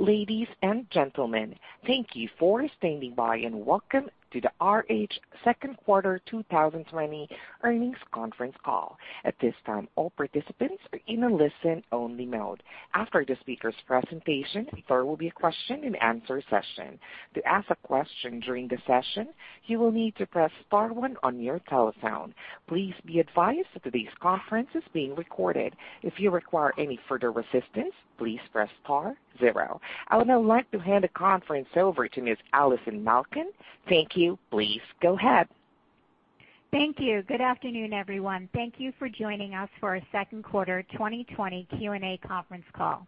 Ladies and gentlemen, thank you for standing by, and welcome to the RH Second Quarter 2020 Earnings Conference Call. I would now like to hand the conference over to Ms. Allison Malkin. Thank you. Please go ahead. Thank you. Good afternoon, everyone. Thank you for joining us for our second quarter 2020 Q&A conference call.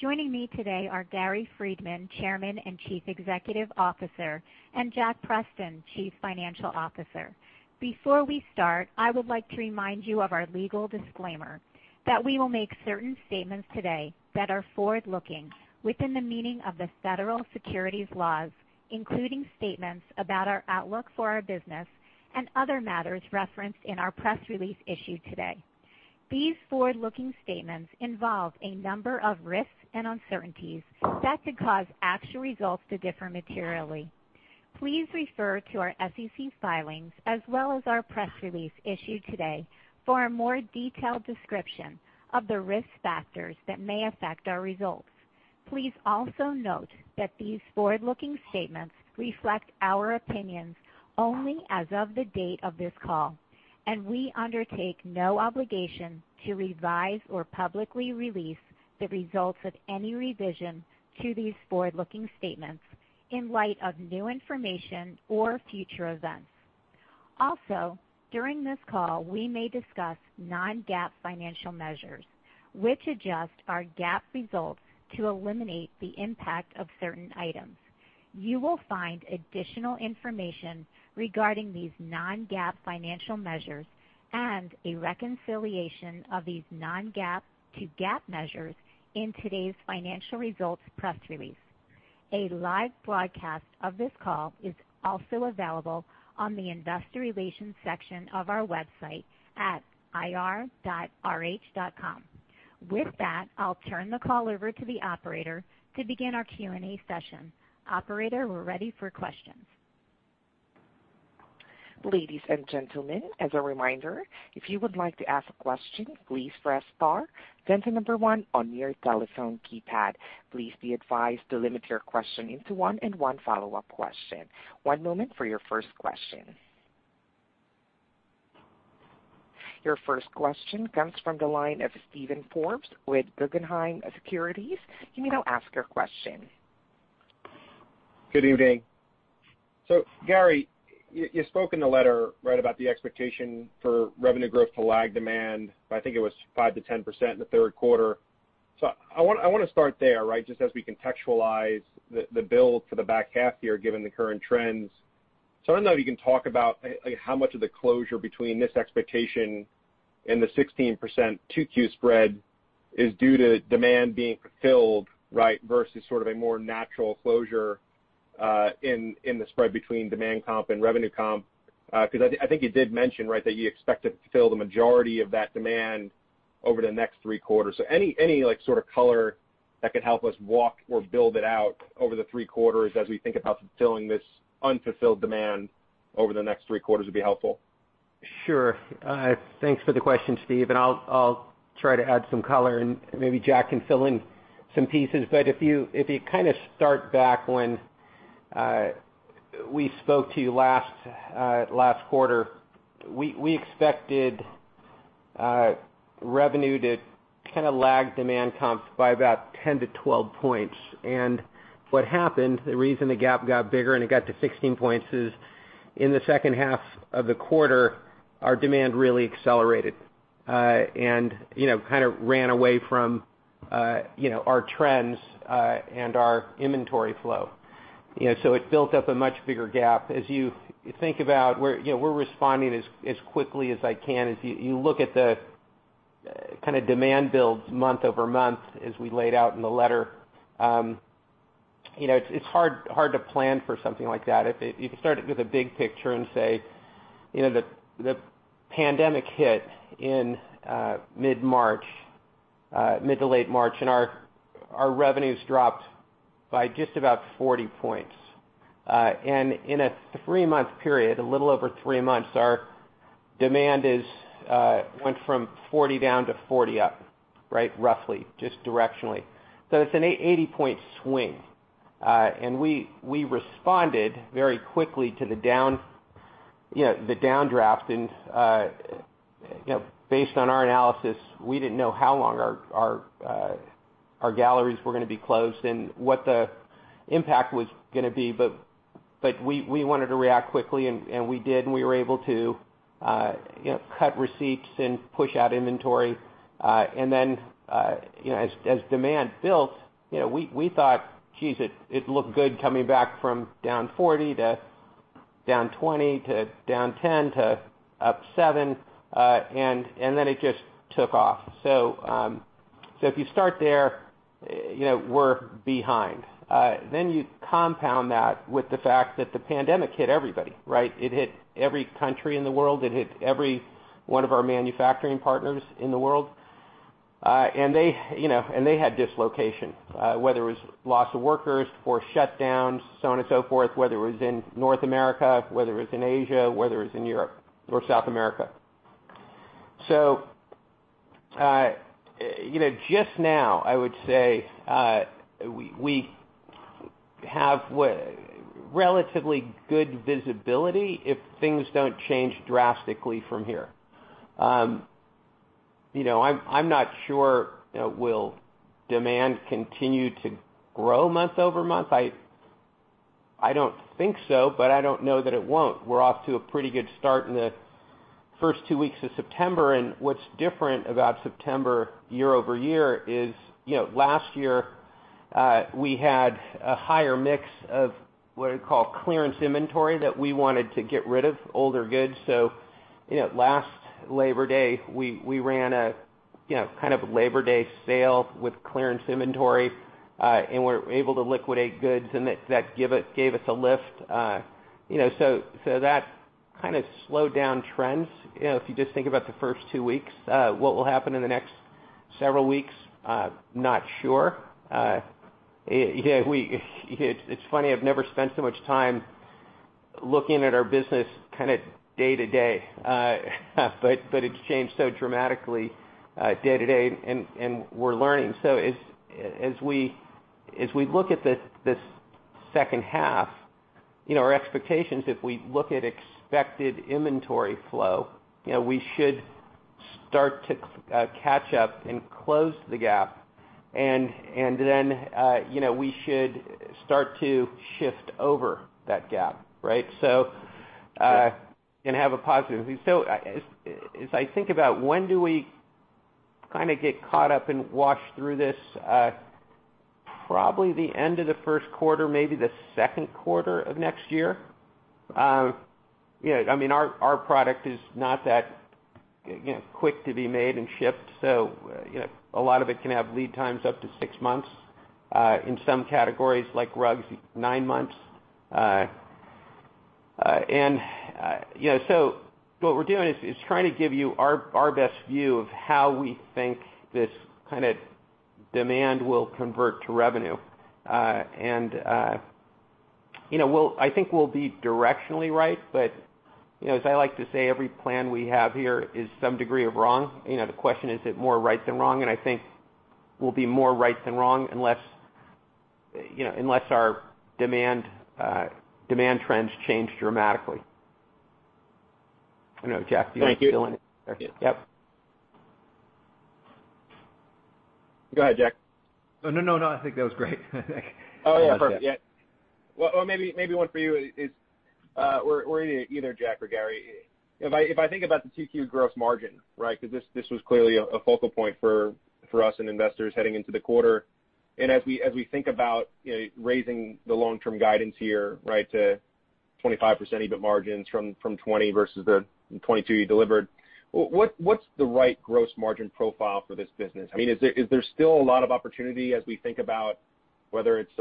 Joining me today are Gary Friedman, Chairman and Chief Executive Officer, and Jack Preston, Chief Financial Officer. Before we start, I would like to remind you of our legal disclaimer that we will make certain statements today that are forward-looking within the meaning of the federal securities laws, including statements about our outlook for our business and other matters referenced in our press release issued today. These forward-looking statements involve a number of risks and uncertainties that could cause actual results to differ materially. Please refer to our SEC filings as well as our press release issued today for a more detailed description of the risk factors that may affect our results. Please also note that these forward-looking statements reflect our opinions only as of the date of this call, and we undertake no obligation to revise or publicly release the results of any revision to these forward-looking statements in light of new information or future events. Also, during this call, we may discuss non-GAAP financial measures, which adjust our GAAP results to eliminate the impact of certain items. You will find additional information regarding these non-GAAP financial measures and a reconciliation of these non-GAAP to GAAP measures in today's financial results press release. A live broadcast of this call is also available on the investor relations section of our website at ir.rh.com. With that, I'll turn the call over to the operator to begin our Q&A session. Operator, we're ready for questions. Ladies and gentlemen, as a reminder, if you would like to ask a question, please press star then the number one on your telephone keypad. Please be advised to limit your question into one and one follow-up question. One moment for your first question. Your first question comes from the line of Steven Forbes with Guggenheim Securities. You may now ask your question. Good evening. Gary, you spoke in the letter, right about the expectation for revenue growth to lag demand, but I think it was 5%-10% in the third quarter. I want to start there, right? Just as we contextualize the build for the back half here given the current trends. I don't know if you can talk about how much of the closure between this expectation and the 16% 2Q spread is due to demand being fulfilled, right, versus sort of a more natural closure in the spread between demand comp and revenue comp. Because I think you did mention, right, that you expect to fill the majority of that demand over the next three quarters. Any sort of color that could help us walk or build it out over the three quarters as we think about fulfilling this unfulfilled demand over the next three quarters would be helpful. Sure. Thanks for the question, Steve, and I'll try to add some color and maybe Jack can fill in some pieces. If you kind of start back when we spoke to you last quarter, we expected revenue to kind of lag demand comps by about 10-12 points. What happened, the reason the gap got bigger and it got to 16 points is in the second half of the quarter, our demand really accelerated, and kind of ran away from our trends, and our inventory flow. It built up a much bigger gap. As you think about where we're responding as quickly as I can. As you look at the kind of demand builds month-over-month, as we laid out in the letter, it's hard to plan for something like that. If you start with a big picture and say, the pandemic hit in mid to late March, and our revenues dropped by just about 40 points. In a three-month period, a little over three months, our demand went from 40 point down to 40 point up, right, roughly, just directionally. It's an 80-point swing. We responded very quickly to the downdraft and based on our analysis, we didn't know how long our galleries were going to be closed and what the impact was going to be, but we wanted to react quickly and we did, and we were able to cut receipts and push out inventory. As demand built, we thought it looked good coming back from down 40 point to down 20 point to down 10 point to up 7 point, and then it just took off. If you start there, we're behind. You compound that with the fact that the pandemic hit everybody, right? It hit every country in the world, it hit every one of our manufacturing partners in the world, and they had dislocation, whether it was loss of workers, forced shutdowns, so on and so forth, whether it was in North America, whether it was in Asia, whether it was in Europe or South America. Just now, I would say, we have relatively good visibility if things don't change drastically from here. I'm not sure. Will demand continue to grow month-over-month? I don't think so, but I don't know that it won't. We're off to a pretty good start in the first two weeks of September, and what's different about September year-over-year is, last year, we had a higher mix of what I call clearance inventory that we wanted to get rid of, older goods. Last Labor Day, we ran a kind of Labor Day sale with clearance inventory, and were able to liquidate goods, and that gave us a lift. That kind of slowed down trends, if you just think about the first two weeks. What will happen in the next several weeks, I'm not sure. It's funny, I've never spent so much time looking at our business kind of day to day. It's changed so dramatically day to day, and we're learning. As we look at this second half, our expectations, if we look at expected inventory flow, we should start to catch up and close the gap, and then we should start to shift over that gap. Right? Have a positivity. As I think about when do we kind of get caught up and wash through this, probably the end of the first quarter, maybe the second quarter of next year. Our product is not that quick to be made and shipped, so a lot of it can have lead times up to six months, in some categories, like rugs, nine months. What we're doing is trying to give you our best view of how we think this kind of demand will convert to revenue. I think we'll be directionally right, but as I like to say, every plan we have here is some degree of wrong. The question, is it more right than wrong? I think we'll be more right than wrong unless our demand trends change dramatically. I don't know, Jack, do you want to fill in? Thank you. Yep. Go ahead, Jack. No, I think that was great. Oh, yeah. Perfect. Yeah. Well, maybe one for you is, or either Jack or Gary. If I think about the 2Q gross margin, right? Because this was clearly a focal point for us and investors heading into the quarter. As we think about raising the long-term guidance here to 25% EBIT margins from 20% versus the 22% you delivered, what's the right gross margin profile for this business? Is there still a lot of opportunity as we think about whether it's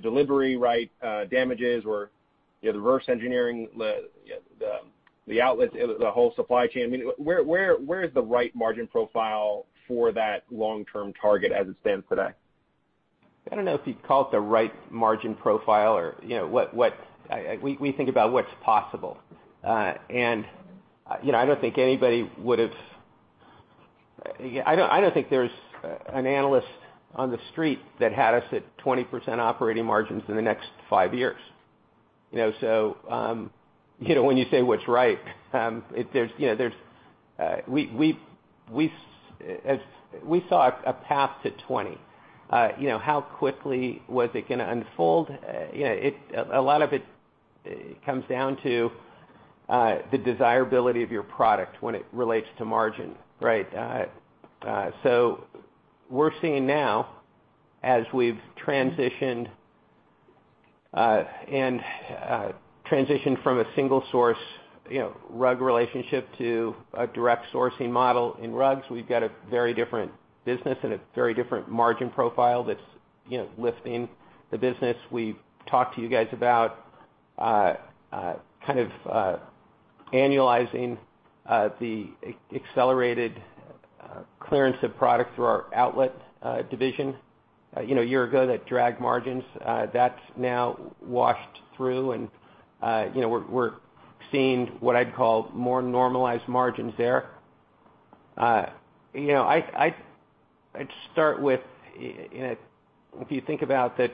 delivery damages or the reverse engineering, the outlets, the whole supply chain? Where is the right margin profile for that long-term target as it stands today? I don't know if you'd call it the right margin profile or we think about what's possible. I don't think there's an analyst on the street that had us at 20% operating margins in the next five years. When you say what's right, we saw a path to 20%. How quickly was it going to unfold? A lot of it comes down to the desirability of your product when it relates to margin, right? We're seeing now, as we've transitioned from a single source rug relationship to a direct sourcing model in rugs, we've got a very different business and a very different margin profile that's lifting the business. We've talked to you guys about kind of annualizing the accelerated clearance of product through our outlet division. A year ago, that dragged margins. That's now washed through and we're seeing what I'd call more normalized margins there. I'd start with, if you think about the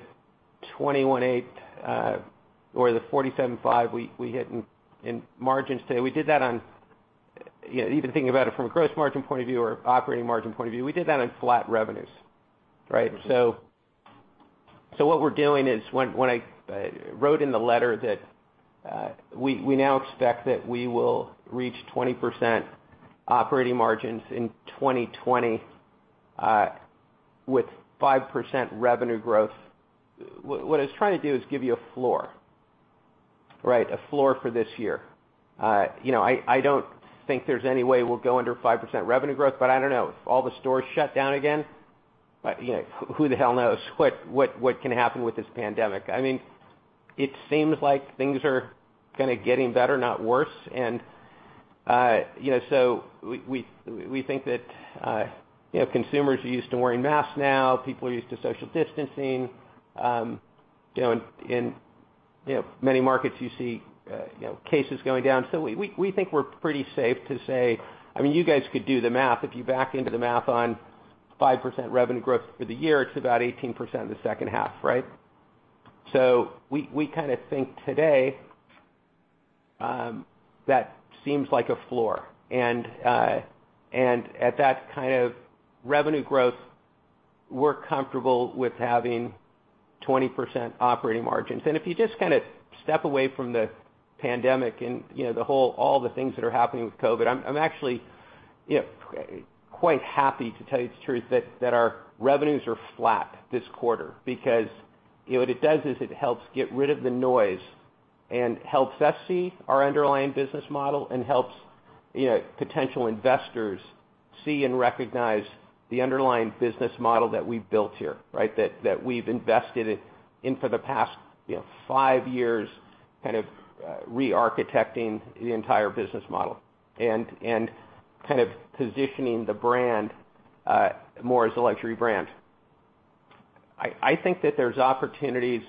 21.8%, or the 47.5% we hit in margins today, even thinking about it from a gross margin point of view or operating margin point of view, we did that on flat revenues, right? What we're doing is, when I wrote in the letter that we now expect that we will reach 20% operating margins in 2020 with 5% revenue growth, what I was trying to do is give you a floor. A floor for this year. I don't think there's any way we'll go under 5% revenue growth, but I don't know. If all the stores shut down again, who the hell knows what can happen with this pandemic? It seems like things are getting better, not worse. We think that consumers are used to wearing masks now. People are used to social distancing. In many markets, you see cases going down. We think we're pretty safe to say. You guys could do the math. If you back into the math on 5% revenue growth for the year, it's about 18% in the second half. Right? We think today, that seems like a floor. At that kind of revenue growth, we're comfortable with having 20% operating margins. If you just step away from the pandemic and all the things that are happening with COVID, I'm actually quite happy, to tell you the truth, that our revenues are flat this quarter. Because what it does is it helps get rid of the noise and helps us see our underlying business model and helps potential investors see and recognize the underlying business model that we've built here. That we've invested in for the past five years, re-architecting the entire business model and positioning the brand more as a luxury brand. I think that there's opportunities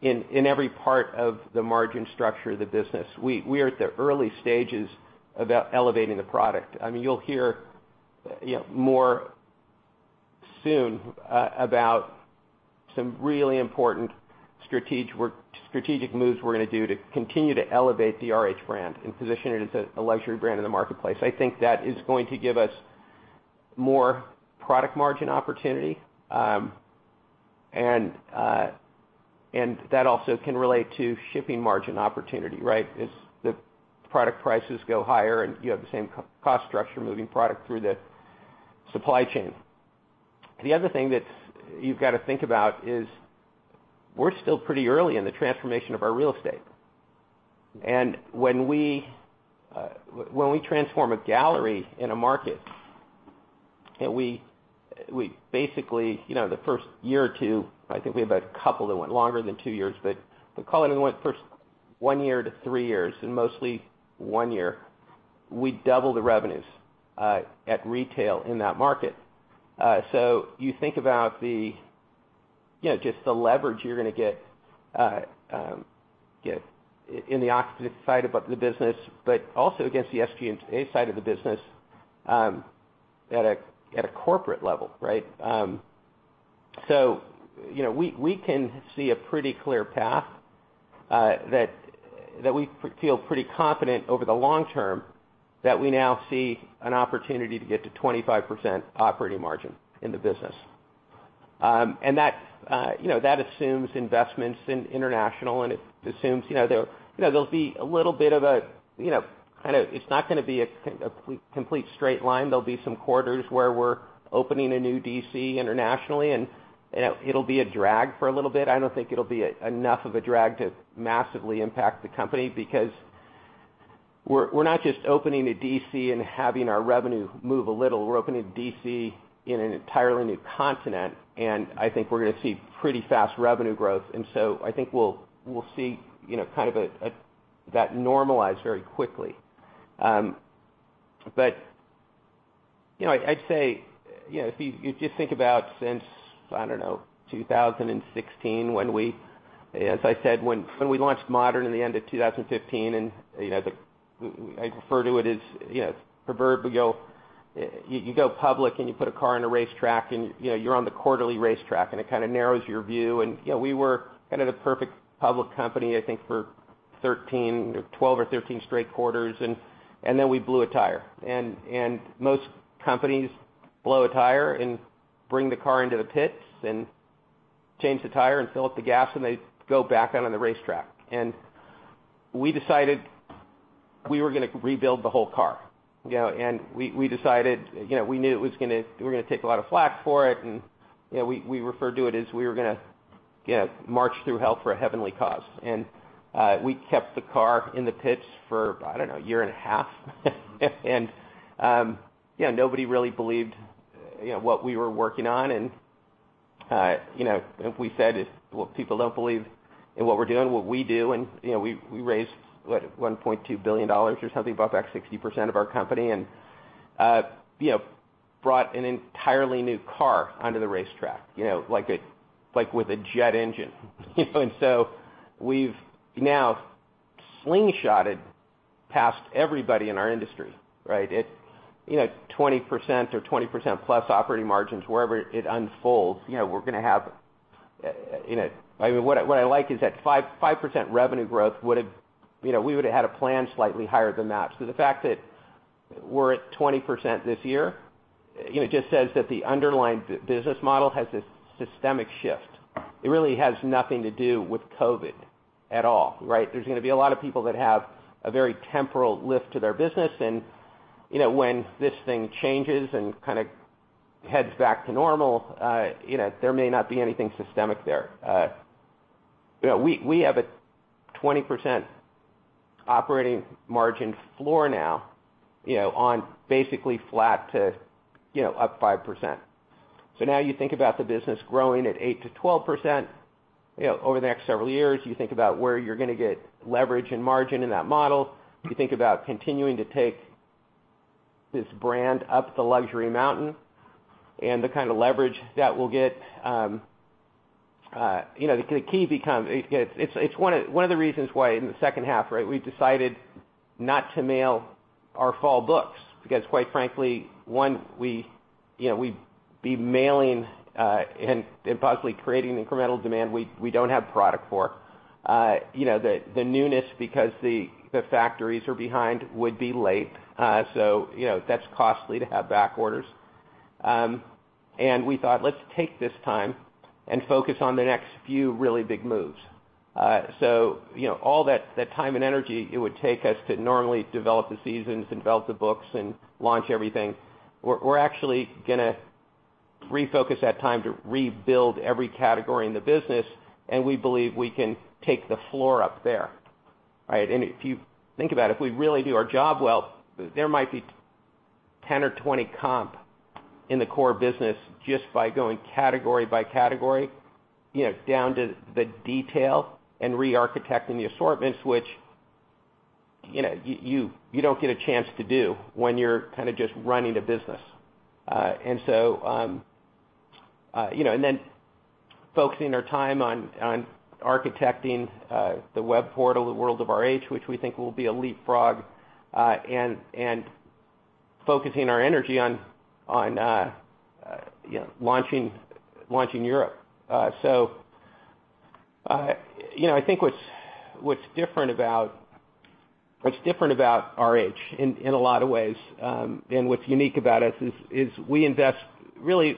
in every part of the margin structure of the business. We are at the early stages about elevating the product. You'll hear more soon about some really important strategic moves we're going to do to continue to elevate the RH brand and position it as a luxury brand in the marketplace. I think that is going to give us more product margin opportunity, and that also can relate to shipping margin opportunity. As the product prices go higher and you have the same cost structure moving product through the supply chain. The other thing that you've got to think about is we're still pretty early in the transformation of our real estate. When we transform a gallery in a market, we basically, the first year or two, I think we have a couple that went longer than two years, but call it first one year to three years, and mostly one year, we double the revenues at retail in that market. You think about just the leverage you're going to get in the occupancy side of the business, but also against the SG&A side of the business at a corporate level. We can see a pretty clear path that we feel pretty confident over the long term that we now see an opportunity to get to 25% operating margin in the business. That assumes investments in international, and it assumes there'll be a little bit of, it's not going to be a complete straight line. There'll be some quarters where we're opening a new DC internationally, and it'll be a drag for a little bit. I don't think it'll be enough of a drag to massively impact the company, because we're not just opening a DC and having our revenue move a little. We're opening a DC in an entirely new continent, and I think we're going to see pretty fast revenue growth. I think we'll see that normalize very quickly. I'd say, if you just think about since, I don't know, 2016, as I said, when we launched Modern in the end of 2015, and I refer to it as proverbially, you go public and you put a car on a racetrack. You're on the quarterly racetrack, and it kind of narrows your view. We were the perfect public company, I think, for 12 or 13 straight quarters, and then we blew a tire. Most companies blow a tire and bring the car into the pits and change the tire and fill up the gas, and they go back out on the racetrack. We decided we were going to rebuild the whole car. We knew we were going to take a lot of flak for it, and we referred to it as we were going to march through hell for a heavenly cause. We kept the car in the pits for, I don't know, a year and a half. Nobody really believed what we were working on, and we said, "Well, people don't believe in what we're doing, what we do," and we raised $1.2 billion or something, about 60% of our company, and brought an entirely new car onto the racetrack, like with a jet engine. We've now slingshotted past everybody in our industry. At 20% or 20%+ operating margins, wherever it unfolds, what I like is that 5% revenue growth, we would've had a plan slightly higher than that. The fact that we're at 20% this year just says that the underlying business model has this systemic shift. It really has nothing to do with COVID at all. There's going to be a lot of people that have a very temporal lift to their business. When this thing changes and heads back to normal, there may not be anything systemic there. We have a 20% operating margin floor now on basically flat to up 5%. Now you think about the business growing at 8%-12% over the next several years. You think about where you're going to get leverage and margin in that model. You think about continuing to take this brand up the luxury mountain and the kind of leverage that we'll get. One of the reasons why in the second half, right, we've decided not to mail our fall books because quite frankly, one, we'd be mailing and possibly creating incremental demand we don't have product for. The newness because the factories are behind would be late. That's costly to have back orders. We thought, let's take this time and focus on the next few really big moves. All that time and energy it would take us to normally develop the seasons and develop the books and launch everything, we're actually going to refocus that time to rebuild every category in the business, and we believe we can take the floor up there. Right? If you think about it, if we really do our job well, there might be 10 or 20 comp in the core business just by going category by category, down to the detail and re-architecting the assortments, which you don't get a chance to do when you're kind of just running a business. Then focusing our time on architecting the web portal, The World of RH, which we think will be a leapfrog, and focusing our energy on launching Europe. I think what's different about RH in a lot of ways, and what's unique about us is we invest really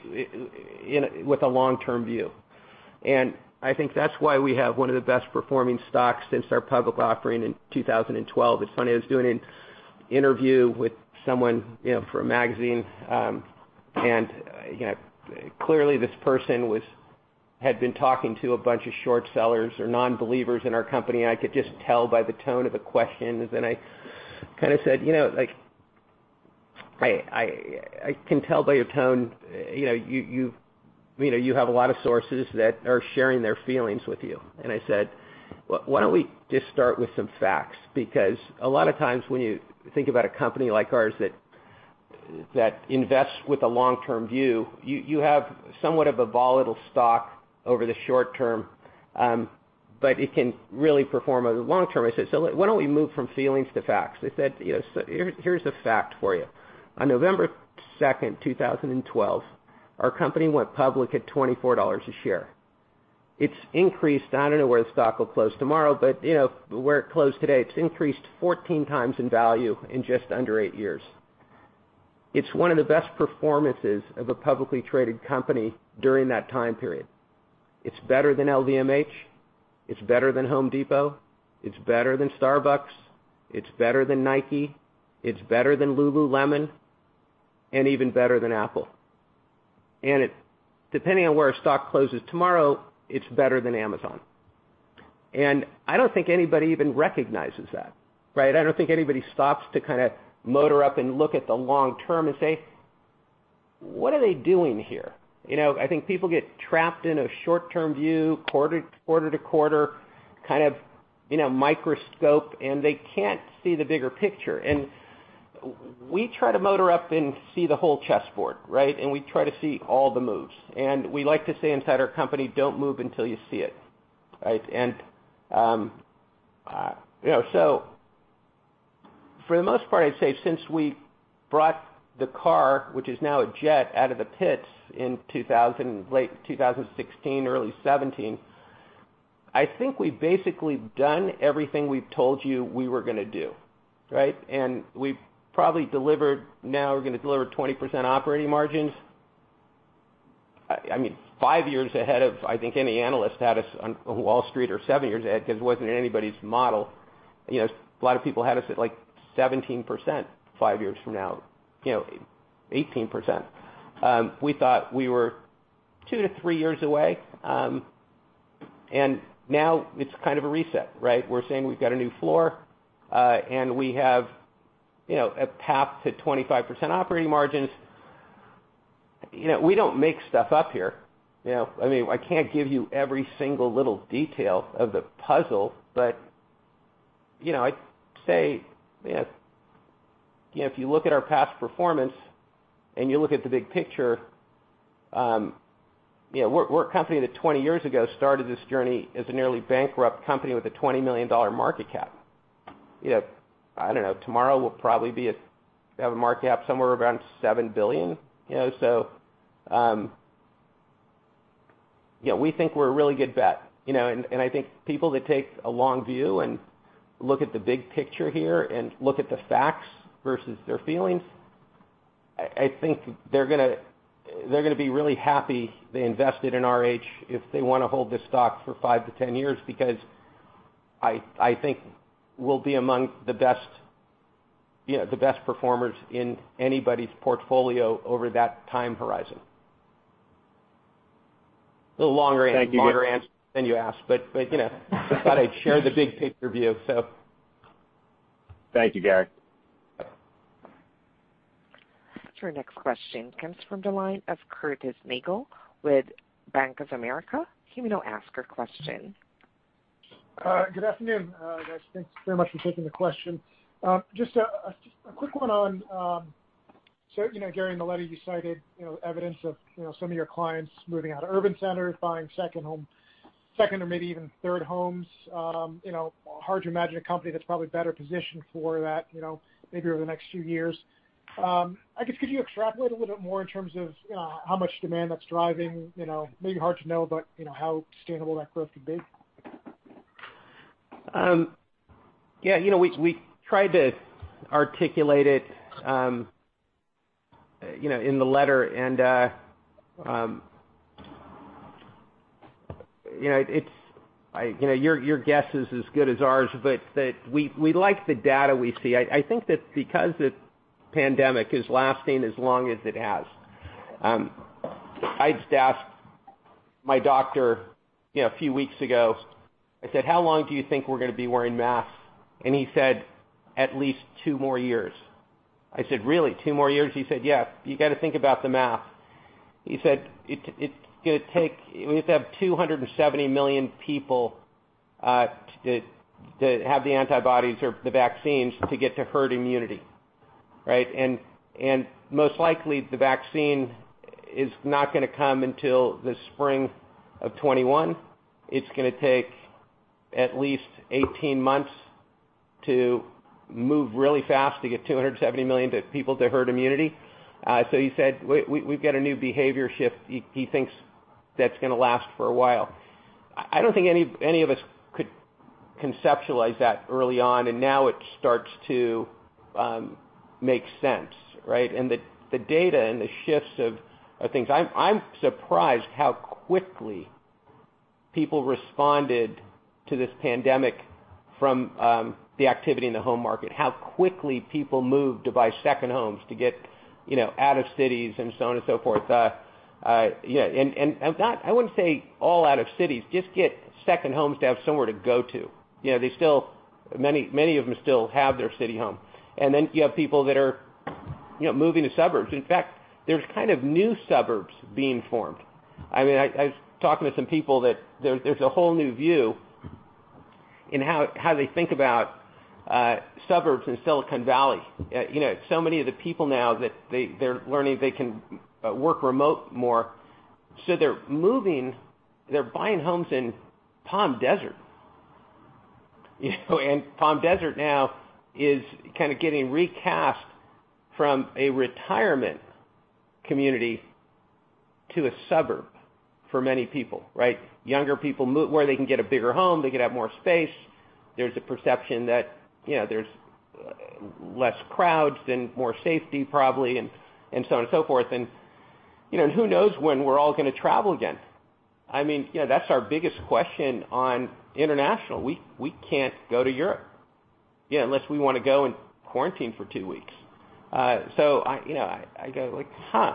with a long-term view. I think that's why we have one of the best performing stocks since our public offering in 2012. It's funny, I was doing an interview with someone for a magazine, and clearly this person had been talking to a bunch of short sellers or non-believers in our company, and I could just tell by the tone of the questions, and I kind of said, "I can tell by your tone you have a lot of sources that are sharing their feelings with you." I said, "Why don't we just start with some facts?" Because a lot of times when you think about a company like ours that invests with a long-term view, you have somewhat of a volatile stock over the short term, but it can really perform over the long term. I said, "Why don't we move from feelings to facts?" I said, "Here's the fact for you. On November second, 2012, our company went public at $24 a share. It's increased I don't know where the stock will close tomorrow, but where it closed today, it's increased 14 times in value in just under eight years. It's one of the best performances of a publicly traded company during that time period. It's better than LVMH. It's better than Home Depot. It's better than Starbucks. It's better than Nike. It's better than lululemon, even better than Apple. Depending on where our stock closes tomorrow, it's better than Amazon. I don't think anybody even recognizes that, right? I don't think anybody stops to kind of motor up and look at the long term and say, "What are they doing here?" I think people get trapped in a short-term view, quarter-to-quarter, kind of microscope, and they can't see the bigger picture. We try to motor up and see the whole chessboard, right? We try to see all the moves. We like to say inside our company, "Don't move until you see it." Right? For the most part, I'd say since we brought the car, which is now a jet, out of the pits in late 2016, early 2017, I think we've basically done everything we've told you we were going to do. Right? We've probably delivered. Now we're going to deliver 20% operating margins. Five years ahead of, I think, any analyst had us on Wall Street or seven years ahead because it wasn't in anybody's model. A lot of people had us at 17%, five years from now, 18%. We thought we were two to three years away, and now it's kind of a reset, right? We're saying we've got a new floor, and we have a path to 25% operating margins. We don't make stuff up here. I can't give you every single little detail of the puzzle. I'd say if you look at our past performance and you look at the big picture, we're a company that, 20 years ago, started this journey as a nearly bankrupt company with a $20 million market cap. I don't know. Tomorrow we'll probably have a market cap somewhere around $7 billion. We think we're a really good bet. I think people that take a long view and look at the big picture here and look at the facts versus their feelings, I think they're going to be really happy they invested in RH if they want to hold this stock for five to 10 years, because I think we'll be among the best performers in anybody's portfolio over that time horizon. A little longer answer than you asked, but I thought I'd share the big picture view. Thank you, Gary. Your next question comes from the line of Curtis Nagle with Bank of America. You may now ask your question. Good afternoon. Guys, thanks very much for taking the question. Just a quick one on Gary Friedman, you cited evidence of some of your clients moving out of urban centers, buying second homes. Second or maybe even third homes. Hard to imagine a company that's probably better positioned for that maybe over the next few years. I guess, could you extrapolate a little bit more in terms of how much demand that's driving, maybe hard to know, but how sustainable that growth could be? Yeah, we tried to articulate it in the letter, and your guess is as good as ours, but we like the data we see. I think that because the pandemic is lasting as long as it has. I just asked my doctor a few weeks ago, I said, "How long do you think we're going to be wearing masks?" He said, "At least two more years." I said, "Really? Two more years?" He said, "Yeah, you got to think about the math." He said, "We have to have 270 million people to have the antibodies or the vaccines to get to herd immunity." Right? Most likely the vaccine is not going to come until the spring of 2021. It's going to take at least 18 months to move really fast to get 270 million people to herd immunity. He said, we've got a new behavior shift. He thinks that's going to last for a while. I don't think any of us could conceptualize that early on. Now it starts to make sense, right? The data and the shifts of things. I'm surprised how quickly people responded to this pandemic from the activity in the home market. How quickly people moved to buy second homes to get out of cities and so on and so forth. I wouldn't say all out of cities, just get second homes to have somewhere to go to. Many of them still have their city home. You have people that are moving to suburbs. In fact, there's kind of new suburbs being formed. I was talking to some people that there's a whole new view in how they think about suburbs in Silicon Valley. Many of the people now they're learning they can work remote more, so they're moving, they're buying homes in Palm Desert, and Palm Desert now is kind of getting recast from a retirement community to a suburb for many people, right? Younger people move where they can get a bigger home, they could have more space. There's a perception that there's less crowds and more safety probably, and so on and so forth. Who knows when we're all going to travel again. That's our biggest question on international. We can't go to Europe unless we want to go and quarantine for two weeks. I go like, huh,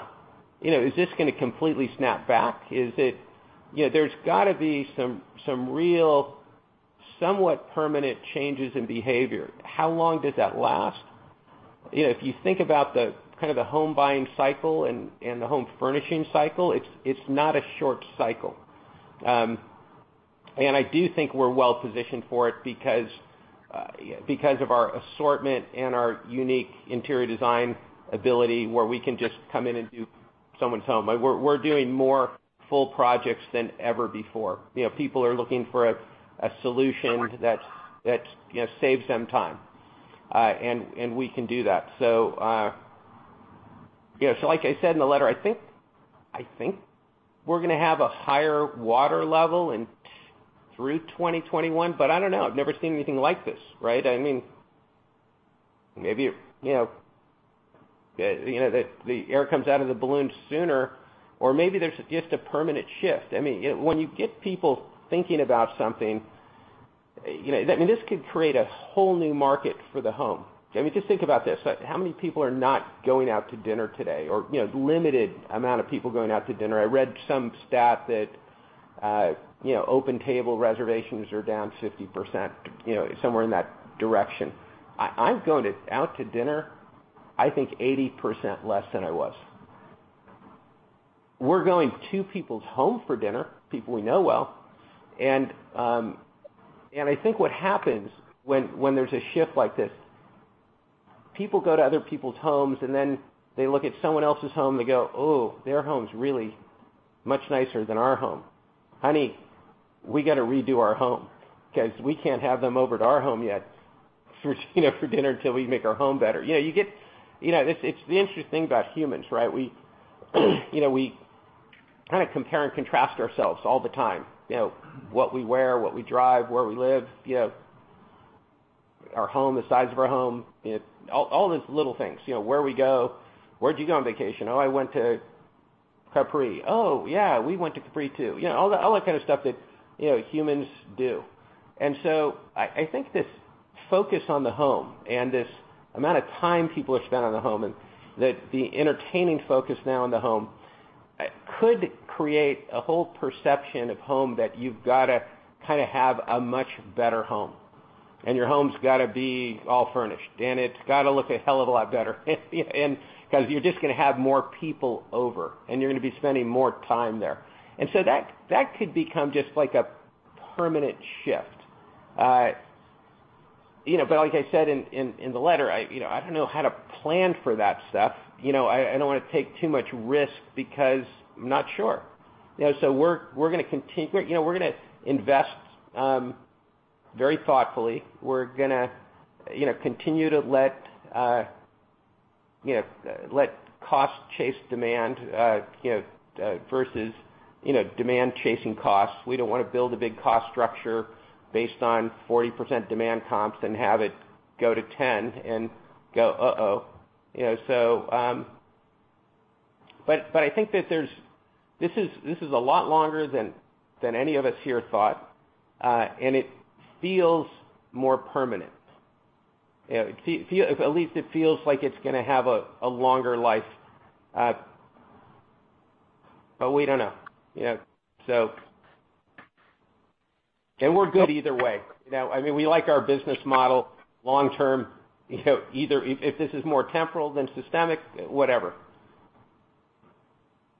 is this going to completely snap back? There's got to be some real, somewhat permanent changes in behavior. How long does that last? If you think about the home buying cycle and the home furnishing cycle, it’s not a short cycle. I do think we’re well positioned for it because of our assortment and our unique interior design ability, where we can just come in and do someone’s home. We’re doing more full projects than ever before. People are looking for a solution that saves them time. We can do that. Like I said in the letter, I think we’re going to have a higher water level through 2021, but I don’t know. I’ve never seen anything like this, right? Maybe the air comes out of the balloon sooner, or maybe there’s just a permanent shift. When you get people thinking about something. This could create a whole new market for the home. Just think about this. How many people are not going out to dinner today? Limited amount of people going out to dinner. I read some stat that OpenTable reservations are down 50%, somewhere in that direction. I'm going out to dinner, I think 80% less than I was. We're going to people's home for dinner, people we know well. I think what happens when there's a shift like this, people go to other people's homes, they look at someone else's home, they go, "Oh, their home's really much nicer than our home. Honey, we got to redo our home because we can't have them over to our home yet for dinner until we make our home better." It's the interesting thing about humans, right? We kind of compare and contrast ourselves all the time. What we wear, what we drive, where we live, our home, the size of our home, all these little things. Where we go. Where'd you go on vacation? Oh, I went to Capri. Oh, yeah, we went to Capri too. All that kind of stuff that humans do. I think this focus on the home and this amount of time people have spent on the home and that the entertaining focus now on the home could create a whole perception of home that you've got to kind of have a much better home, and your home's got to be all furnished, and it's got to look a hell of a lot better because you're just going to have more people over, and you're going to be spending more time there. That could become just like a permanent shift. Like I said in the letter, I don't know how to plan for that stuff. I don't want to take too much risk because I'm not sure. We're going to invest very thoughtfully. We're going to continue to let cost chase demand versus demand chasing costs. We don't want to build a big cost structure based on 40% demand comps and have it go to 10% and go, uh-oh. I think that this is a lot longer than any of us here thought, and it feels more permanent. At least it feels like it's going to have a longer life. We don't know. We're good either way. We like our business model long-term. If this is more temporal than systemic, whatever.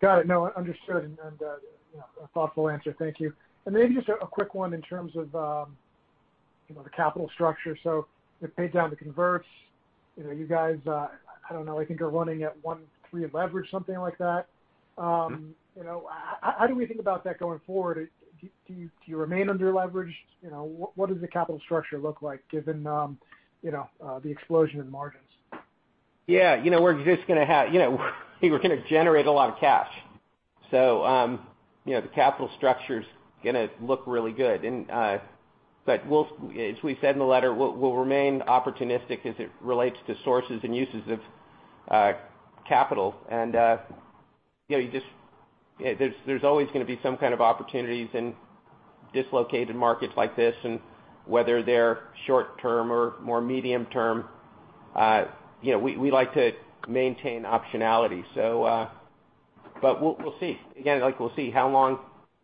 Got it. Understood, a thoughtful answer, thank you. Maybe just a quick one in terms of the capital structure. You paid down the converts. You guys I think are running at 1.3 leverage, something like that. How do we think about that going forward? Do you remain under leveraged? What does the capital structure look like given the explosion in margins? Yeah. We're going to generate a lot of cash. The capital structure's going to look really good. As we said in the letter, we'll remain opportunistic as it relates to sources and uses of capital. There's always going to be some kind of opportunities in dislocated markets like this, and whether they're short-term or more medium-term, we like to maintain optionality. We'll see. Again, we'll see how long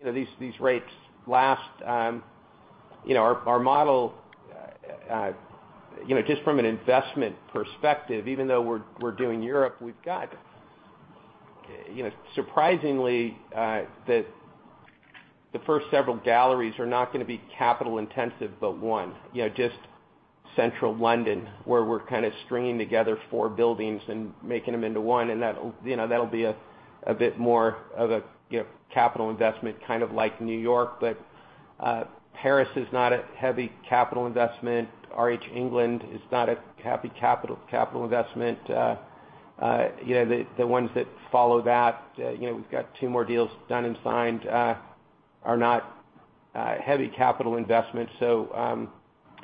these rates last. Our model, just from an investment perspective, even though we're doing Europe, surprisingly, the first several galleries are not going to be capital intensive, but one. Just Central London, where we're kind of stringing together four buildings and making them into one, and that'll be a bit more of a capital investment, kind of like RH New York. Paris is not a heavy capital investment. RH England is not a heavy capital investment. The ones that follow that, we've got two more deals done and signed, are not heavy capital investments. In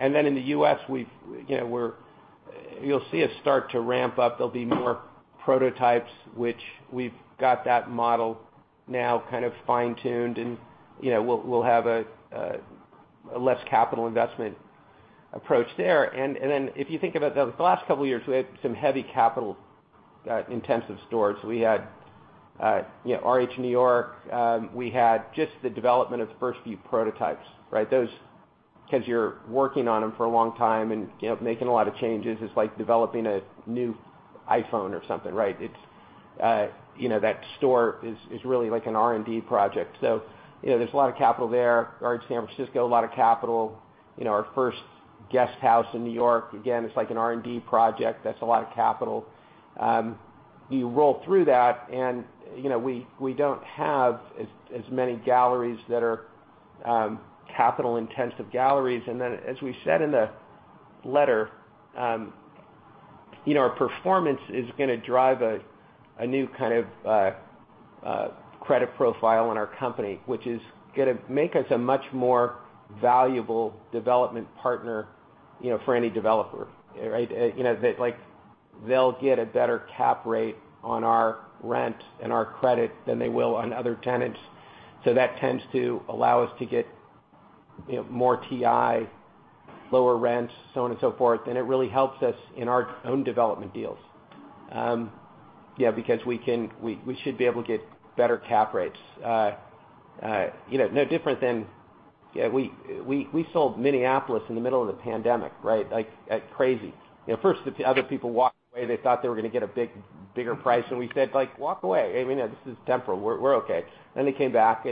the U.S., you'll see us start to ramp up. There'll be more prototypes, which we've got that model now kind of fine-tuned, and we'll have a less capital investment approach there. If you think about the last couple of years, we had some heavy capital-intensive stores. We had RH New York. We had just the development of the first few prototypes. Because you're working on them for a long time and making a lot of changes, it's like developing a new iPhone or something, right? That store is really like an R&D project. There's a lot of capital there. RH San Francisco, a lot of capital. Our first guest house in New York, again, it's like an R&D project. That's a lot of capital. You roll through that, and we don't have as many galleries that are capital-intensive galleries. As we said in the letter, our performance is going to drive a new kind of credit profile in our company, which is going to make us a much more valuable development partner for any developer. They'll get a better cap rate on our rent and our credit than they will on other tenants. That tends to allow us to get more TI, lower rents, so on and so forth, and it really helps us in our own development deals because we should be able to get better cap rates. No different than we sold Minneapolis in the middle of the pandemic. Like crazy. First, the other people walked away. They thought they were going to get a bigger price, and we said, "Walk away. This is temporal. We're okay. They came back,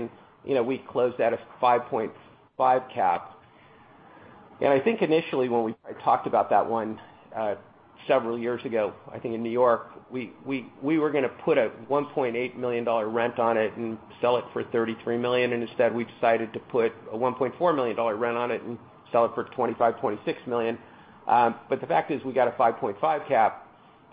we closed at a 5.5 cap. I think initially when we probably talked about that one several years ago, I think in New York, we were going to put a $1.8 million rent on it and sell it for $33 million, instead we decided to put a $1.4 million rent on it and sell it for $25.6 million. The fact is we got a 5.5 cap,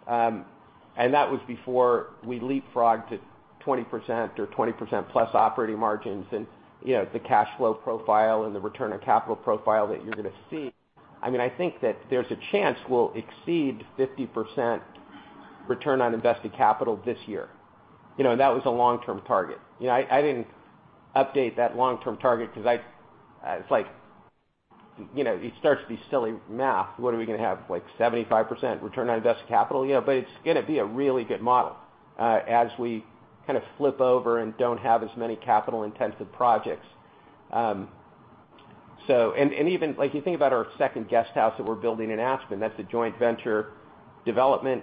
that was before we leapfrogged to 20% or 20%+ operating margins and the cash flow profile and the return on capital profile that you're going to see. I think that there's a chance we'll exceed 50% return on invested capital this year. That was a long-term target. I didn't update that long-term target because it starts to be silly math. What are we going to have, 75% return on invested capital? It's going to be a really good model as we kind of flip over and don't have as many capital-intensive projects. Even if you think about our second guest house that we're building in Aspen, that's a joint venture development.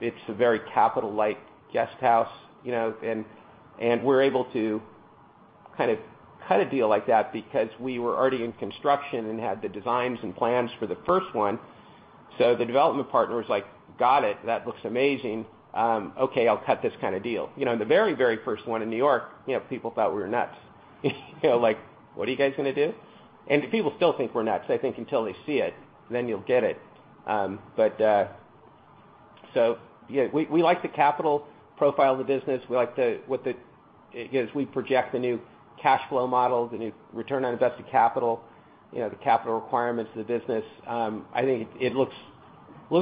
It's a very capital light guest house, and we're able to cut a deal like that because we were already in construction and had the designs and plans for the first one. The development partner was like, "Got it. That looks amazing. Okay, I'll cut this kind of deal." The very first one in New York, people thought we were nuts. Like, "What are you guys going to do?" People still think we're nuts, I think, until they see it, then you'll get it. Yeah, we like the capital profile of the business. As we project the new cash flow model, the new return on invested capital, the capital requirements of the business. I think it looks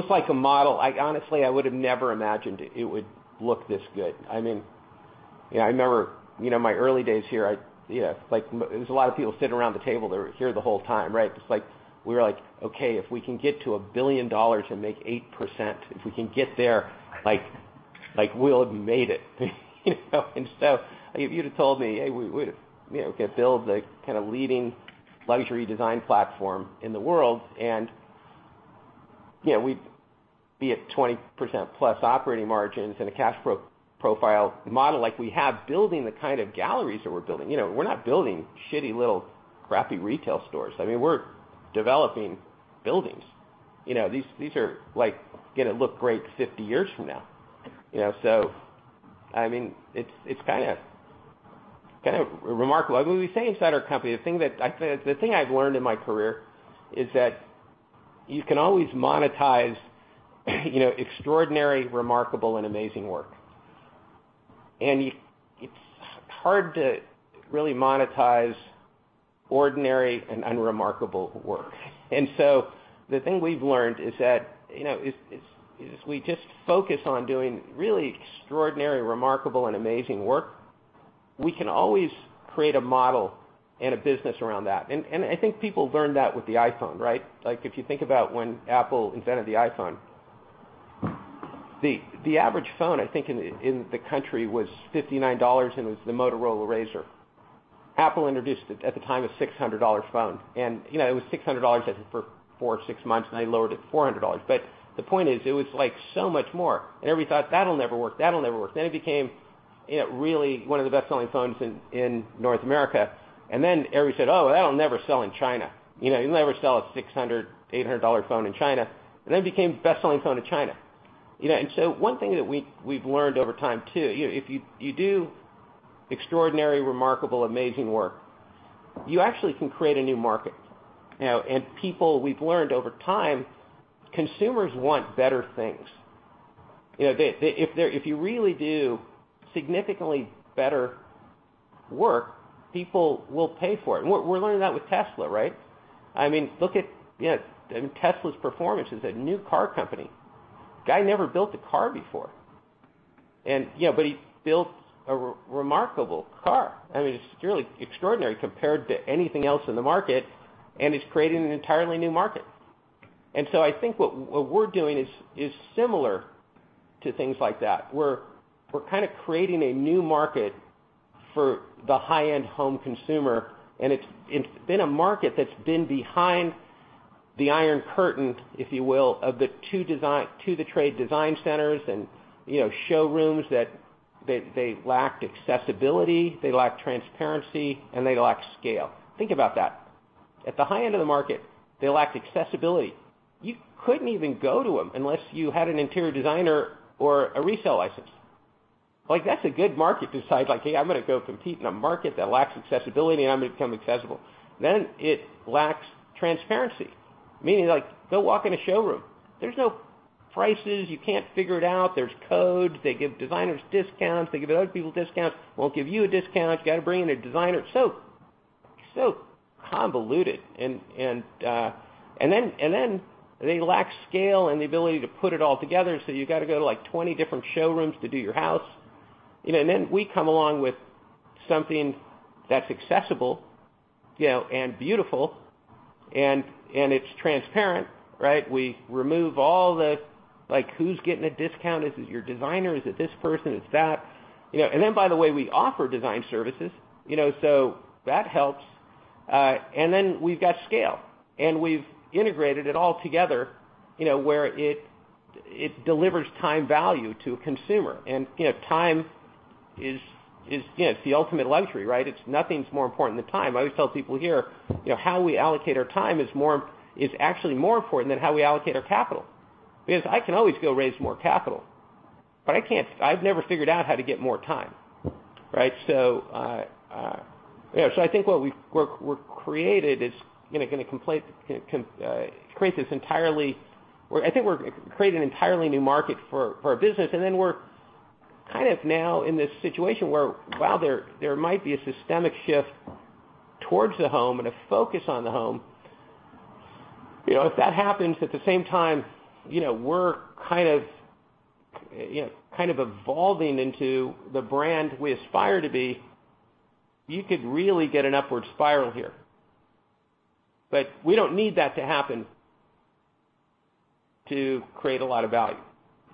like a model. Honestly, I would've never imagined it would look this good. I remember my early days here, there was a lot of people sitting around the table that were here the whole time, right? We were like, "Okay, if we can get to a billion dollars and make 8%, if we can get there, we'll have made it." If you'd have told me, "Hey, we could build a leading luxury design platform in the world, and we'd be at 20%+ operating margins and a cash profile model like we have building the kind of galleries that we're building." We're not building shitty little crappy retail stores. We're developing buildings. These are going to look great 50 years from now. It's kind of remarkable. We say inside our company, the thing I've learned in my career is that you can always monetize extraordinary, remarkable, and amazing work. It's hard to really monetize ordinary and unremarkable work. The thing we've learned is that if we just focus on doing really extraordinary, remarkable, and amazing work, we can always create a model and a business around that. I think people learned that with the iPhone, right? If you think about when Apple invented the iPhone, the average phone, I think in the country was $59, and it was the Motorola Razr. Apple introduced it at the time, a $600 phone. It was $600, I think, for four or six months, and they lowered it to $400. The point is, it was so much more, and everybody thought, "That'll never work." Then it became really one of the best-selling phones in North America. Then everybody said, "Oh, that'll never sell in China. You'll never sell a $600, $800 phone in China." Then it became the best-selling phone in China. One thing that we've learned over time, too, if you do extraordinary, remarkable, amazing work, you actually can create a new market. People, we've learned over time, consumers want better things. If you really do significantly better work, people will pay for it. We're learning that with Tesla, right? Look at Tesla's performance as a new car company. Guy never built a car before. He built a remarkable car. It's truly extraordinary compared to anything else in the market, and it's creating an entirely new market. I think what we're doing is similar to things like that. We're kind of creating a new market for the high-end home consumer, and it's been a market that's been behind the Iron Curtain, if you will, of the to-the-trade design centers and showrooms that they lacked accessibility, they lacked transparency, and they lacked scale. Think about that. At the high end of the market, they lacked accessibility. You couldn't even go to them unless you had an interior designer or a resale license. That's a good market to decide, "Hey, I'm going to go compete in a market that lacks accessibility, and I'm going to become accessible." It lacks transparency, meaning go walk in a showroom. There's no prices. You can't figure it out. There's codes. They give designers discounts. They give other people discounts. Won't give you a discount. You got to bring in a designer. Convoluted. They lack scale and the ability to put it all together, you got to go to, like, 20 different showrooms to do your house. We come along with something that's accessible and beautiful and it's transparent, right? We remove all the, like, who's getting a discount? Is it your designer? Is it this person? It's that. By the way, we offer design services, that helps. We've got scale, and we've integrated it all together, where it delivers time value to a consumer. Time is the ultimate luxury, right? Nothing's more important than time. I always tell people here, how we allocate our time is actually more important than how we allocate our capital. I can always go raise more capital, but I've never figured out how to get more time, right? I think what we've created is going to create an entirely new market for our business. We're kind of now in this situation where while there might be a systemic shift towards the home and a focus on the home, if that happens at the same time, we're kind of evolving into the brand we aspire to be, you could really get an upward spiral here. We don't need that to happen to create a lot of value.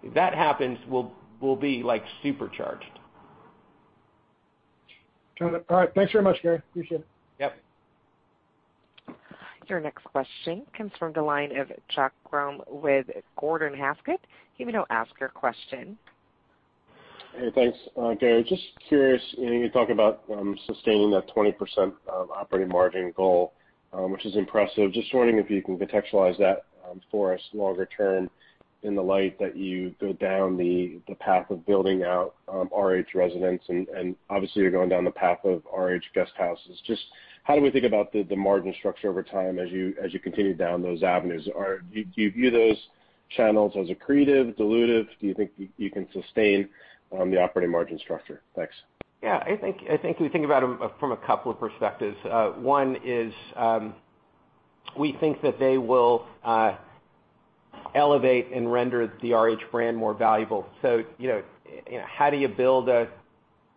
If that happens, we'll be supercharged. All right. Thanks very much, Gary. Appreciate it. Yep. Your next question comes from the line of Chuck Grom with Gordon Haskett. You may now ask your question. Hey, thanks. Gary, just curious, you talk about sustaining that 20% operating margin goal, which is impressive. Just wondering if you can contextualize that for us longer term in the light that you go down the path of building out RH Residences and obviously you're going down the path of RH Guesthouse. Just how do we think about the margin structure over time as you continue down those avenues? Do you view those channels as accretive, dilutive? Do you think you can sustain the operating margin structure? Thanks. Yeah, I think we think about them from a couple of perspectives. One is, we think that they will elevate and render the RH brand more valuable. How do you build a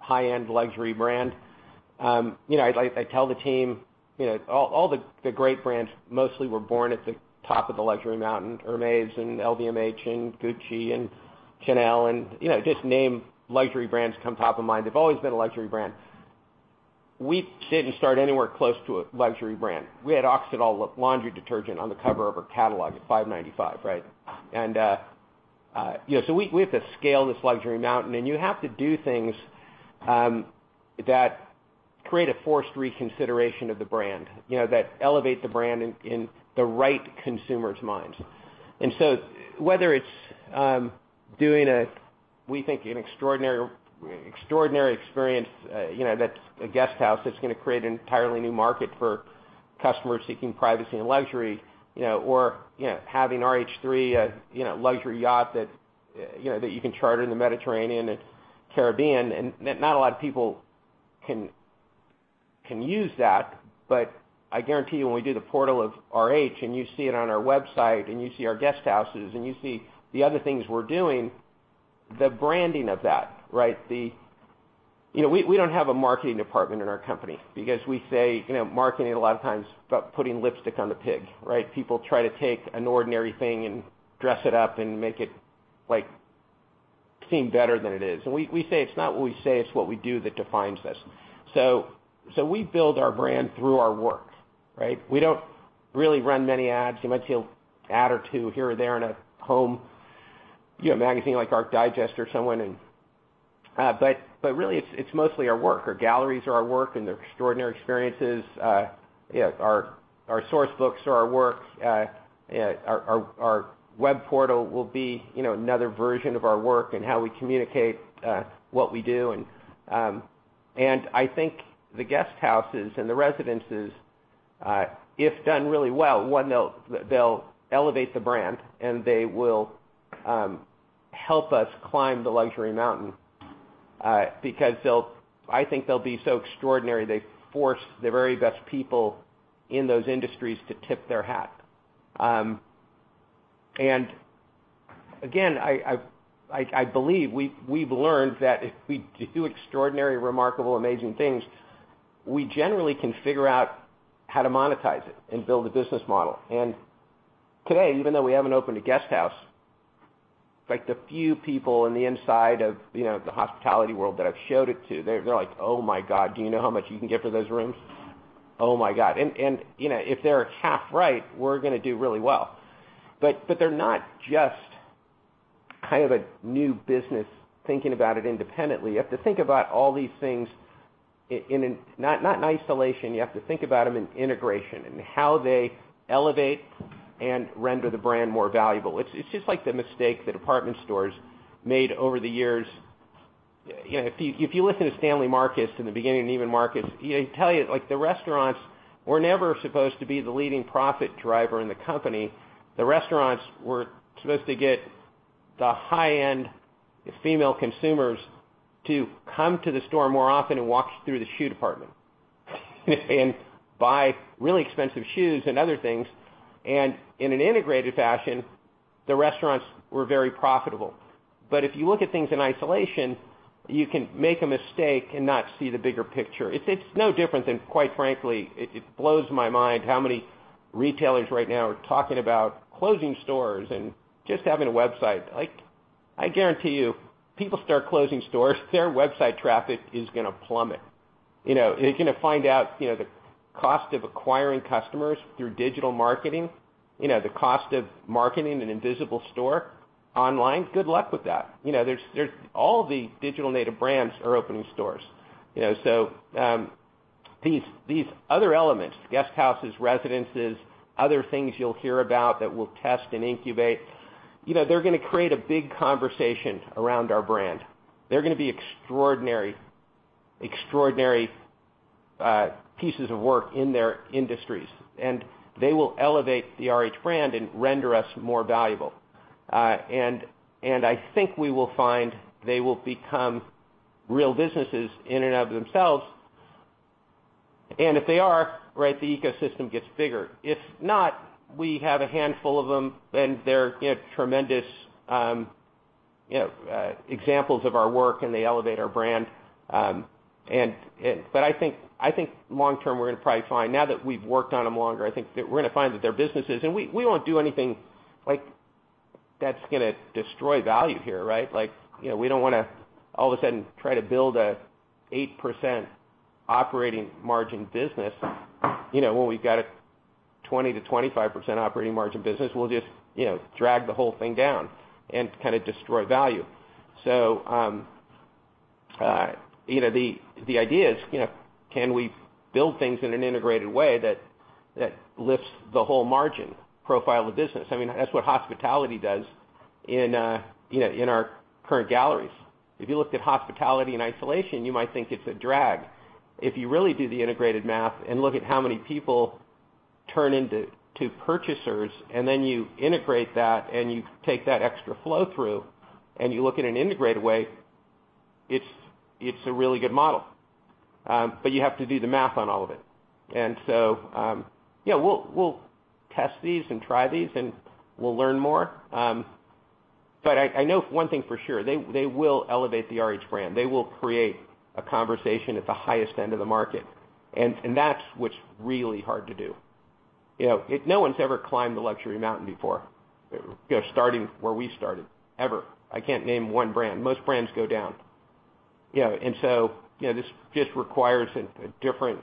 high-end luxury brand? I tell the team, all the great brands mostly were born at the top of the luxury mountain. Hermès and LVMH and Gucci and Chanel and just name luxury brands come top of mind. They've always been a luxury brand. We didn't start anywhere close to a luxury brand. We had Oxydol laundry detergent on the cover of our catalog at $5.95, right? We have to scale this luxury mountain, and you have to do things that create a forced reconsideration of the brand, that elevate the brand in the right consumer's minds. Whether it's doing a, we think, an extraordinary experience, that's a RH Guesthouse that's going to create an entirely new market for customers seeking privacy and luxury, or having RH THREE, a luxury yacht that you can charter in the Mediterranean and Caribbean, not a lot of people can use that, but I guarantee you, when we do The World of RH, and you see it on our website and you see our RH Guesthouses, and you see the other things we're doing, the branding of that, right? We don't have a marketing department in our company because we say, marketing a lot of times is about putting lipstick on the pig, right? People try to take an ordinary thing and dress it up and make it seem better than it is. We say, it's not what we say, it's what we do that defines us. We build our brand through our work, right? We don't really run many ads. You might see an ad or two here or there in a home magazine like Architectural Digest or someone. Really it's mostly our work. Our galleries are our work and their extraordinary experiences. Our source books are our work. The World of RH will be another version of our work and how we communicate what we do and, I think the RH Guesthouse and the RH Residences, if done really well, one, they'll elevate the brand, and they will help us climb the luxury mountain. I think they'll be so extraordinary, they force the very best people in those industries to tip their hat. Again, I believe we've learned that if we do extraordinary, remarkable, amazing things, we generally can figure out how to monetize it and build a business model. Today, even though we haven't opened a guest house, like the few people in the inside of the hospitality world that I've showed it to, they're like, "Oh my God, do you know how much you can get for those rooms? Oh my God." If they're half right, we're going to do really well. They're not just kind of a new business thinking about it independently. You have to think about all these things not in isolation. You have to think about them in integration and how they elevate and render the brand more valuable. It's just like the mistake the department stores made over the years. If you listen to Stanley Marcus in the beginning, and Neiman Marcus, he'll tell you, the restaurants were never supposed to be the leading profit driver in the company. The restaurants were supposed to get the high-end female consumers to come to the store more often and walk through the shoe department and buy really expensive shoes and other things. In an integrated fashion, the restaurants were very profitable. If you look at things in isolation, you can make a mistake and not see the bigger picture. It's no different than, quite frankly, it blows my mind how many retailers right now are talking about closing stores and just having a website. I guarantee you, people start closing stores, their website traffic is going to plummet. They're going to find out the cost of acquiring customers through digital marketing, the cost of marketing an invisible store online. Good luck with that. All the digital native brands are opening stores. These other elements, guest houses, residences, other things you'll hear about that we'll test and incubate, they're going to create a big conversation around our brand. They're going to be extraordinary pieces of work in their industries, and they will elevate the RH brand and render us more valuable. I think we will find they will become real businesses in and of themselves. If they are, the ecosystem gets bigger. If not, we have a handful of them, and they're tremendous examples of our work, and they elevate our brand. I think long-term, we're going to probably find, now that we've worked on them longer, I think that we're going to find that they're businesses. We won't do anything that's going to destroy value here. We don't want to all of a sudden try to build an 8% operating margin business, when we've got a 20%-25% operating margin business. We'll just drag the whole thing down and kind of destroy value. The idea is, can we build things in an integrated way that lifts the whole margin profile of the business? That's what hospitality does in our current galleries. If you looked at hospitality in isolation, you might think it's a drag. If you really do the integrated math and look at how many people turn into purchasers and then you integrate that and you take that extra flow-through and you look at an integrated way, it's a really good model. You have to do the math on all of it. We'll test these and try these, and we'll learn more. I know one thing for sure, they will elevate the RH brand. They will create a conversation at the highest end of the market, and that's what's really hard to do. No one's ever climbed the luxury mountain before, starting where we started, ever. I can't name one brand. Most brands go down. This just requires a different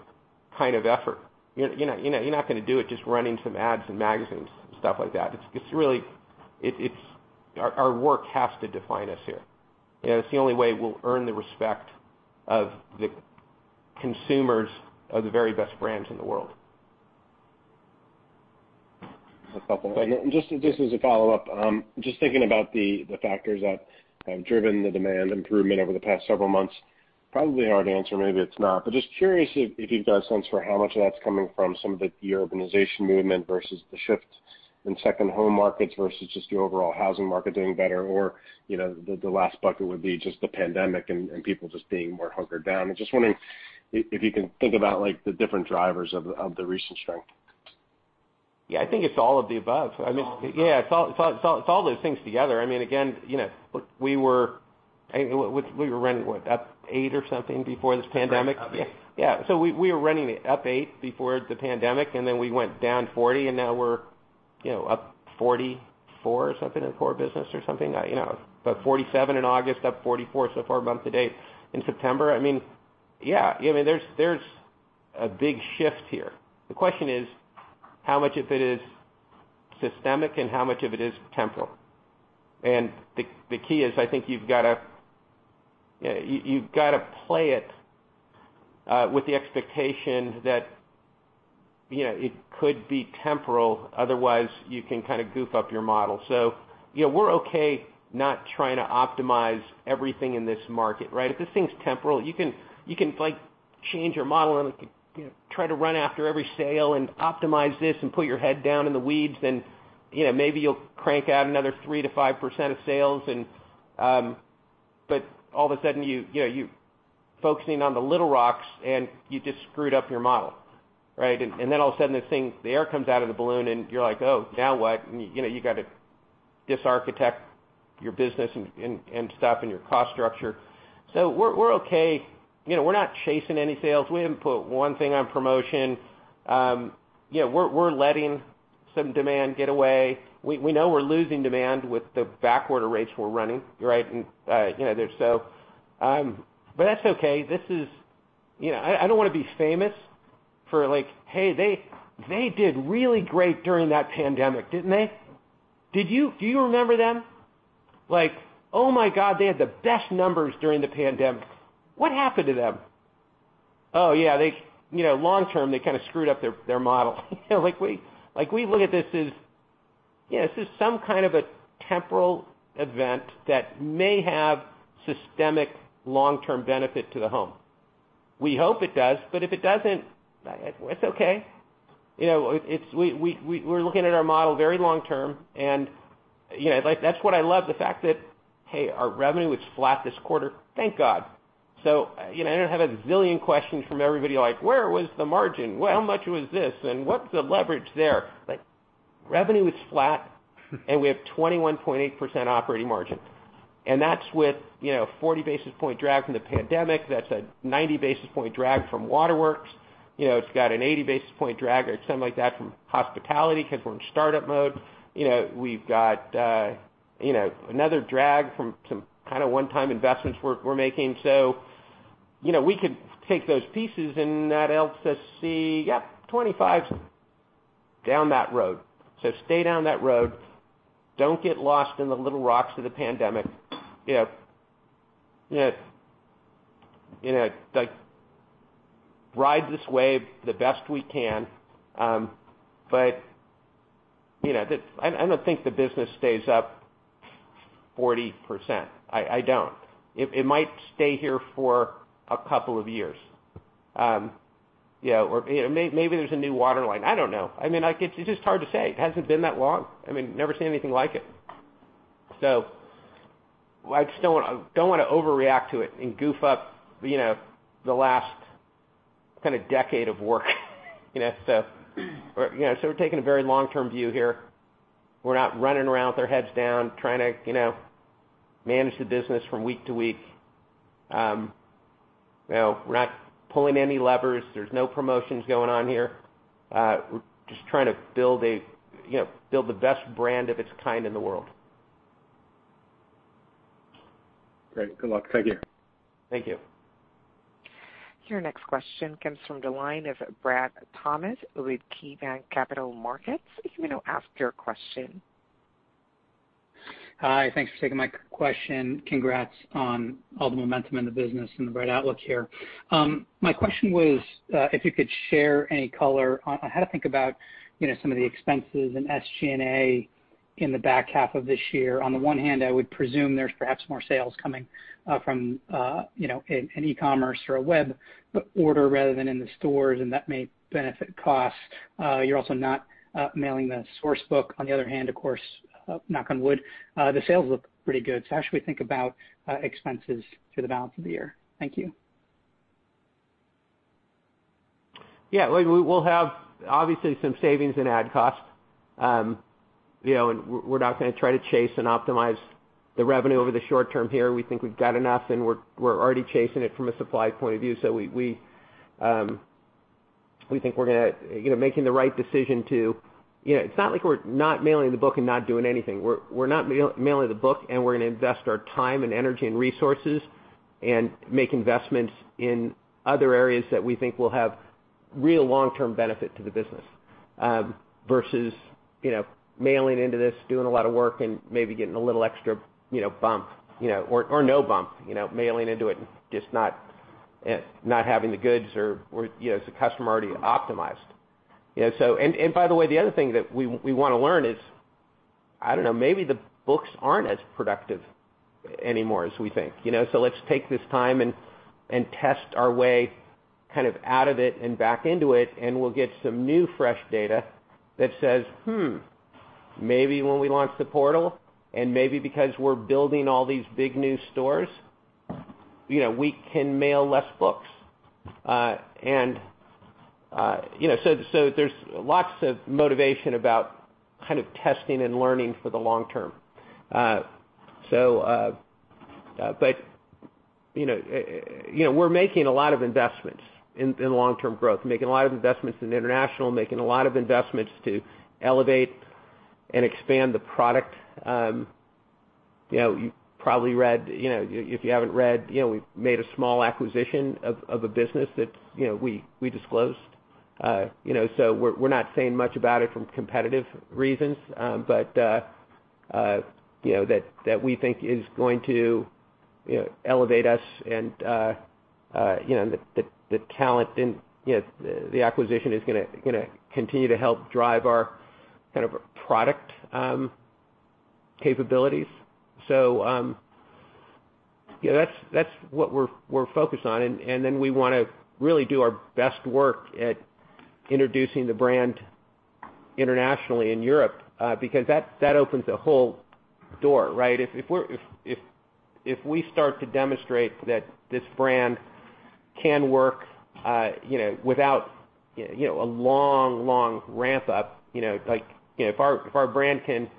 kind of effort. You're not going to do it just running some ads in magazines and stuff like that. Our work has to define us here. It's the only way we'll earn the respect of the consumers of the very best brands in the world. A couple things. Just as a follow-up, just thinking about the factors that have driven the demand improvement over the past several months, probably a hard answer, maybe it's not, but just curious if you've got a sense for how much of that's coming from some of the de-urbanization movement versus the shift in second-home markets versus just the overall housing market doing better. The last bucket would be just the pandemic and people just being more hunkered down. I'm just wondering if you can think about the different drivers of the recent strength. Yeah. I think it's all of the above. Yeah. It's all those things together. Again, we were running, what, up eight or something before this pandemic? Up 8%. Yeah. We were running it up 8% before the pandemic, then we went down 40%, and now we're up 44% or something in core business or something. 47% in August, up 44% so far month to date in September. There's a big shift here. The question is, how much of it is systemic and how much of it is temporal? The key is, I think you've got to play it with the expectation that it could be temporal. Otherwise, you can kind of goof up your model. We're okay not trying to optimize everything in this market. If this thing's temporal, you can change your model and try to run after every sale and optimize this and put your head down in the weeds, then maybe you'll crank out another 3%-5% of sales. All of a sudden you're focusing on the little rocks, and you just screwed up your model. All of a sudden, the air comes out of the balloon and you're like, "Oh, now what?" You've got to dis-architect your business and stuff and your cost structure. We're okay. We're not chasing any sales. We haven't put one thing on promotion. We're letting some demand get away. We know we're losing demand with the back order rates we're running. That's okay. I don't want to be famous for like, "Hey, they did really great during that pandemic, didn't they? Do you remember them?" Like, "Oh my God, they had the best numbers during the pandemic. What happened to them?" Oh, yeah. Long-term, they kind of screwed up their model. We look at this as this is some kind of a temporal event that may have systemic long-term benefit to the home. We hope it does, but if it doesn't, it's okay. We're looking at our model very long-term. That's what I love, the fact that, hey, our revenue was flat this quarter, thank God. I didn't have a zillion questions from everybody like, "Where was the margin? How much was this? What's the leverage there?" Revenue was flat, we have 21.8% operating margin. That's with 40 basis points drag from the pandemic. That's a 90 basis points drag from Waterworks. It's got an 80 basis points drag or something like that from hospitality because we're in startup mode. We've got another drag from some kind of one-time investments we're making. We could take those pieces and that helps us see, yep, 2025 down that road. Stay down that road. Don't get lost in the little rocks of the pandemic. Ride this wave the best we can. I don't think the business stays up 40%. I don't. It might stay here for a couple of years. Maybe there's a new water line. I don't know. It's just hard to say. It hasn't been that long. Never seen anything like it. I just don't want to overreact to it and goof up the last kind of decade of work. We're taking a very long-term view here. We're not running around with our heads down trying to manage the business from week to week. We're not pulling any levers. There's no promotions going on here. We're just trying to build the best brand of its kind in the world. Great. Good luck. Thank you. Thank you. Your next question comes from the line of Brad Thomas with KeyBanc Capital Markets. You may now ask your question. Hi. Thanks for taking my question. Congrats on all the momentum in the business and the bright outlook here. My question was, if you could share any color on how to think about some of the expenses and SG&A in the back half of this year. On the one hand, I would presume there's perhaps more sales coming from an e-commerce or a web order rather than in the stores, and that may benefit costs. You're also not mailing the source book. On the other hand, of course, knock on wood, the sales look pretty good. How should we think about expenses through the balance of the year? Thank you. Yeah. We'll have, obviously, some savings in ad cost. We're not going to try to chase and optimize the revenue over the short term here. We think we've got enough, and we're already chasing it from a supply point of view. We think we're making the right decision to It's not like we're not mailing the book and not doing anything. We're not mailing the book, and we're going to invest our time and energy and resources and make investments in other areas that we think will have real long-term benefit to the business. Versus mailing into this, doing a lot of work and maybe getting a little extra bump, or no bump, mailing into it and just not having the goods or is the customer already optimized? By the way, the other thing that we want to learn is, I don't know, maybe the books aren't as productive anymore as we think. Let's take this time and test our way kind of out of it and back into it, and we'll get some new, fresh data that says, "Hmm, maybe when we launch the portal and maybe because we're building all these big new stores, we can mail less books." There's lots of motivation about kind of testing and learning for the long term. We're making a lot of investments in long-term growth. Making a lot of investments in international, making a lot of investments to elevate and expand the product. You probably read, if you haven't read, we've made a small acquisition of a business that we disclosed. We're not saying much about it from competitive reasons, but that we think is going to elevate us and the talent in the acquisition is going to continue to help drive our kind of product capabilities. That's what we're focused on. Then we want to really do our best work at introducing the brand internationally in Europe, because that opens a whole door, right. If we start to demonstrate that this brand can work without a long ramp-up. If our brand can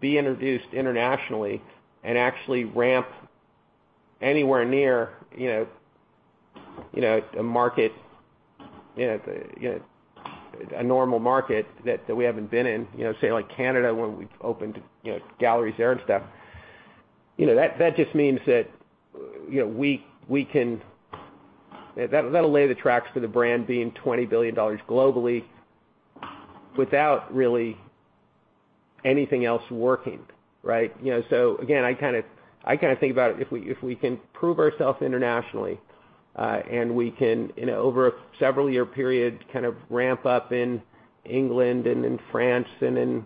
be introduced internationally and actually ramp anywhere near a normal market that we haven't been in, say like Canada, when we've opened galleries there and stuff, that'll lay the tracks for the brand being $20 billion globally without really anything else working, right. Again, I kind of think about if we can prove ourselves internationally, and we can, over a several-year period, kind of ramp up in England and in France and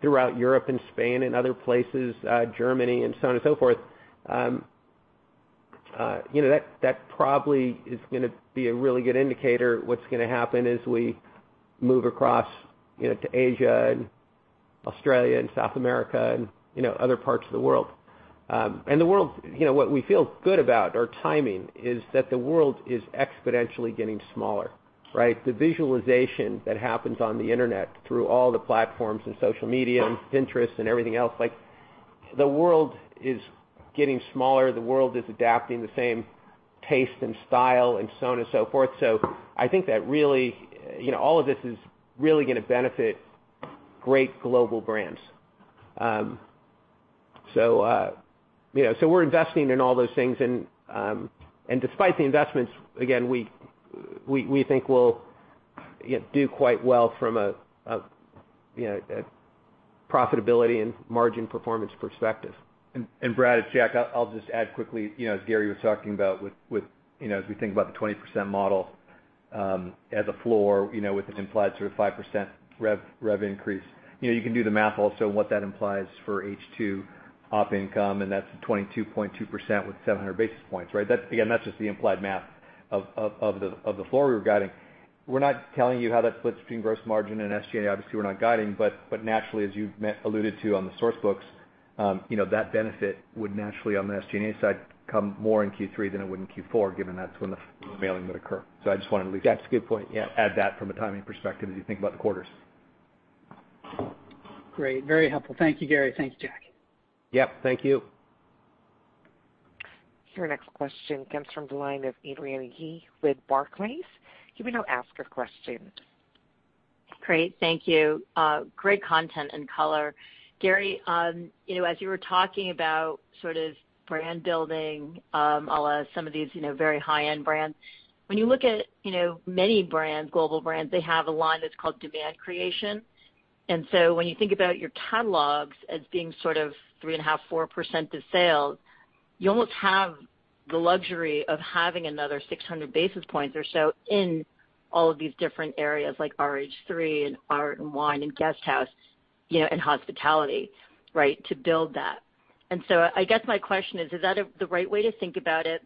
throughout Europe and Spain and other places, Germany and so on and so forth. That probably is going to be a really good indicator of what's going to happen as we move across to Asia and Australia and South America and other parts of the world. What we feel good about our timing is that the world is exponentially getting smaller, right? The visualization that happens on the internet through all the platforms and social media and Pinterest and everything else, the world is getting smaller, the world is adapting the same taste and style and so on and so forth. I think that all of this is really going to benefit great global brands. We're investing in all those things and despite the investments, again, we think we'll do quite well from a profitability and margin performance perspective. Brad, it's Jack. I'll just add quickly, as Gary was talking about with as we think about the 20% model as a floor, with an implied sort of 5% rev increase. You can do the math also. What that implies for H2 op income, and that's 22.2% with 700 basis points. That's just the implied math of the floor we were guiding. We're not telling you how that splits between gross margin and SG&A. We're not guiding. Naturally, as you've alluded to on the source books, that benefit would naturally, on the SG&A side, come more in Q3 than it would in Q4, given that's when the mailing would occur. I just wanted to at least. Jack, that's a good point, yeah. add that from a timing perspective as you think about the quarters. Great. Very helpful. Thank you, Gary. Thank you, Jack. Yep, thank you. Your next question comes from the line of Adrienne Yih with Barclays. You may now ask your question. Great. Thank you. Great content and color. Gary, as you were talking about brand building, a la some of these very high-end brands. When you look at many brands, global brands, they have a line that's called demand creation. When you think about your catalogs as being sort of 3.5%, 4% of sales, you almost have the luxury of having another 600 basis points or so in all of these different areas like RH THREE and art and wine and RH Guesthouse, and hospitality to build that. I guess my question is that the right way to think about it?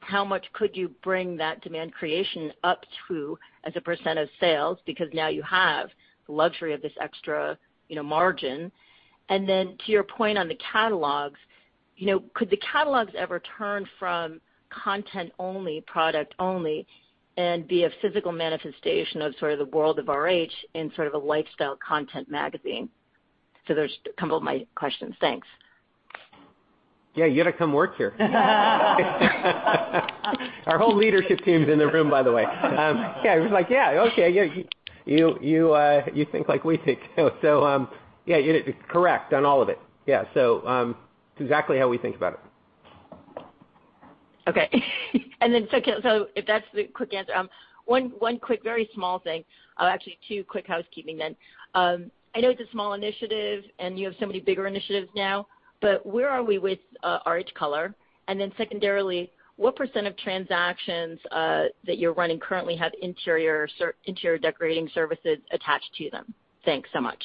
How much could you bring that demand creation up to as a percent of sales? Because now you have the luxury of this extra margin. Then to your point on the catalogs, could the catalogs ever turn from content only, product only, and be a physical manifestation of sort of The World of RH in sort of a lifestyle content magazine? There's a couple of my questions. Thanks. Yeah, you got to come work here. Our whole leadership team's in the room, by the way. Yeah, it was like, yeah, okay. You think like we think. Yeah. Correct on all of it. Yeah. It's exactly how we think about it. Okay. If that's the quick answer, one quick very small thing. Actually two quick housekeeping. I know it's a small initiative, and you have so many bigger initiatives now, but where are we with RH Color? Secondarily, what percent of transactions that you're running currently have interior decorating services attached to them? Thanks so much.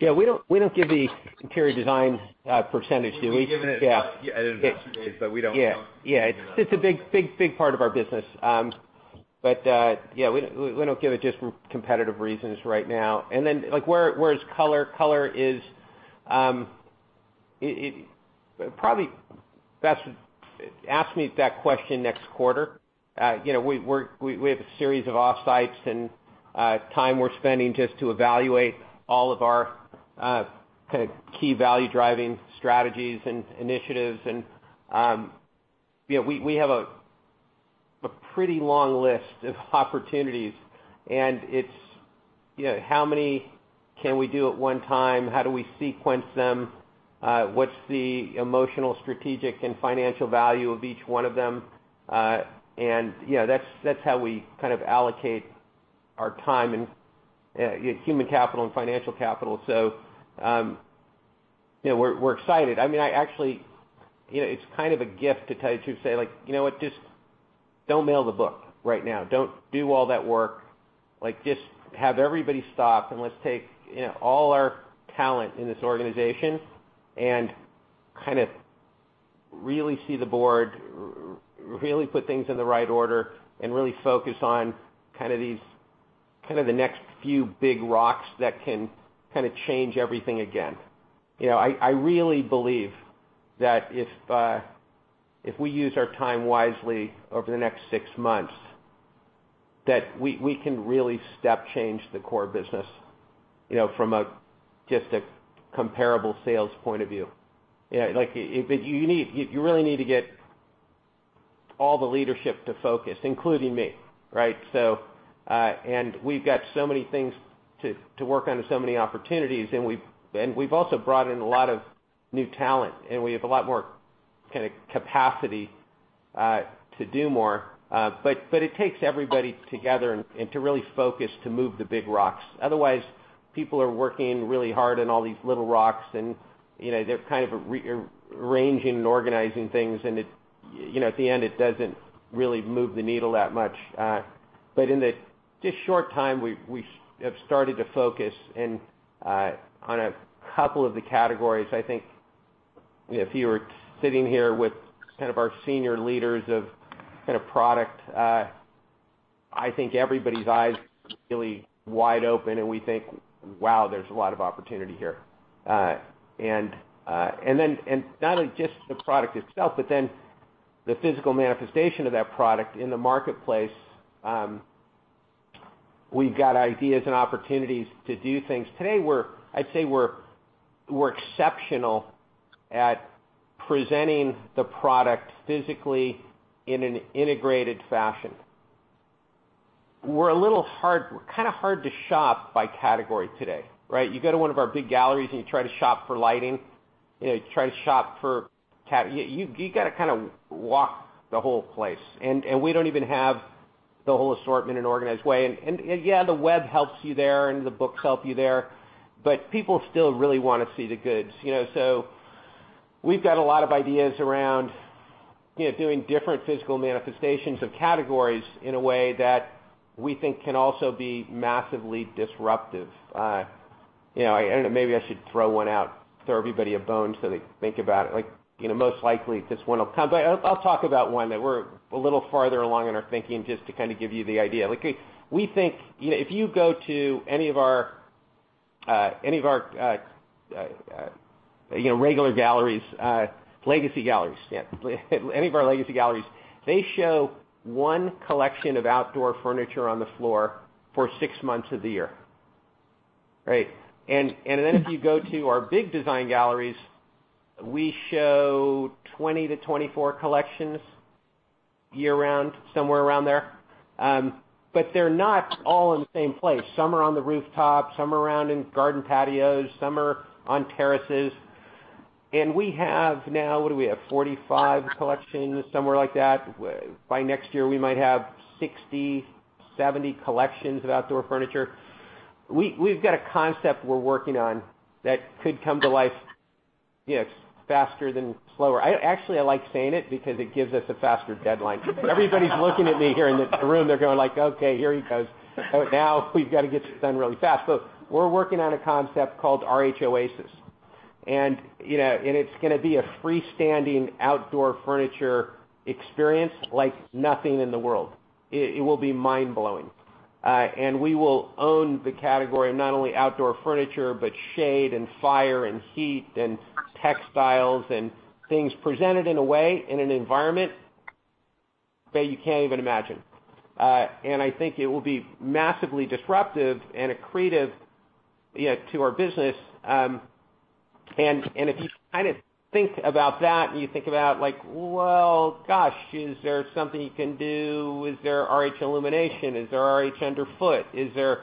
Yeah, we don't give the interior design percentage, do we? We've given it at Investor Day, but we don't- Yeah. It's a big part of our business. Yeah, we don't give it just for competitive reasons right now. Where is Color? Color is Probably best ask me that question next quarter. We have a series of off-sites and time we're spending just to evaluate all of our kind of key value-driving strategies and initiatives, and we have a pretty long list of opportunities, and it's how many can we do at one time? How do we sequence them? What's the emotional, strategic, and financial value of each one of them? That's how we kind of allocate our time and human capital and financial capital. We're excited. It's kind of a gift to tell you the truth, to say, "You know what? Just don't mail the book right now. Don't do all that work. Just have everybody stop and let's take all our talent in this organization and kind of really see the board, really put things in the right order, and really focus on kind of the next few big rocks that can kind of change everything again. I really believe that if we use our time wisely over the next six months, that we can really step change the core business from just a comparable sales point of view. You really need to get all the leadership to focus, including me, right? We've got so many things to work on and so many opportunities, and we've also brought in a lot of new talent, and we have a lot more kind of capacity to do more. It takes everybody together, and to really focus to move the big rocks. Otherwise, people are working really hard on all these little rocks and they're kind of arranging and organizing things, and at the end, it doesn't really move the needle that much. In this short time, we have started to focus on a couple of the categories. I think if you were sitting here with kind of our senior leaders of product, I think everybody's eyes are really wide open and we think, "Wow, there's a lot of opportunity here." Not just the product itself, but then the physical manifestation of that product in the marketplace. We've got ideas and opportunities to do things. Today, I'd say we're exceptional at presenting the product physically in an integrated fashion. We're a little hard to shop by category today, right? You go to one of our big galleries and you try to shop for lighting, you got to kind of walk the whole place. We don't even have the whole assortment in an organized way. Yeah, the web helps you there, and the books help you there, but people still really want to see the goods. We've got a lot of ideas around doing different physical manifestations of categories in a way that we think can also be massively disruptive. I don't know, maybe I should throw one out, throw everybody a bone so they think about it. I'll talk about one that we're a little farther along in our thinking, just to kind of give you the idea. We think if you go to any of our regular galleries, legacy galleries. Yeah. Any of our legacy galleries, they show one collection of outdoor furniture on the floor for six months of the year. Right. Then if you go to our big design galleries, we show 20 to 24 collections year-round, somewhere around there. They're not all in the same place. Some are on the rooftop, some are around in garden patios, some are on terraces. We have now, what do we have, 45 collections, somewhere like that. By next year, we might have 60, 70 collections of outdoor furniture. We've got a concept we're working on that could come to life faster than slower. Actually, I like saying it because it gives us a faster deadline. Everybody's looking at me here in the room. They're going like, "Okay, here he goes. Now we've got to get this done really fast." We're working on a concept called RH Oasis, and it's going to be a freestanding outdoor furniture experience like nothing in the world. It will be mind-blowing. We will own the category, not only outdoor furniture, but shade and fire and heat and textiles and things presented in a way, in an environment that you can't even imagine. I think it will be massively disruptive and accretive to our business. If you kind of think about that and you think about like, well, gosh, is there something you can do. Is there RH Illumination. Is there RH Underfoot. Is there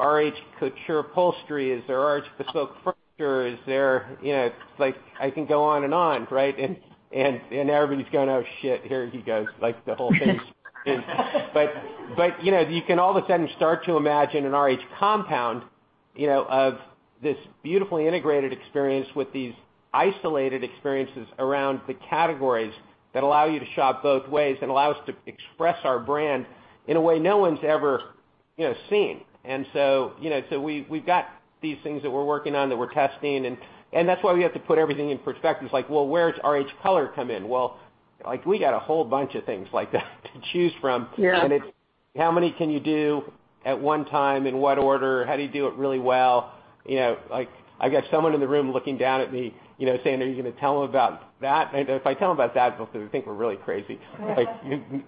RH Couture Upholstery. Is there RH Bespoke Furniture. I can go on and on, right. Everybody's going, "Oh, shit. Here he goes." Like the whole thing. You can all of a sudden start to imagine an RH compound of this beautifully integrated experience with these isolated experiences around the categories that allow you to shop both ways and allow us to express our brand in a way no one's ever seen. We've got these things that we're working on, that we're testing, and that's why we have to put everything in perspective. It's like, well, where's RH Color come in. Well, we got a whole bunch of things like that to choose from. Yeah. It's how many can you do at one time? In what order? How do you do it really well? I've got someone in the room looking down at me saying, "Are you going to tell them about that?" If I tell them about that, they'll think we're really crazy.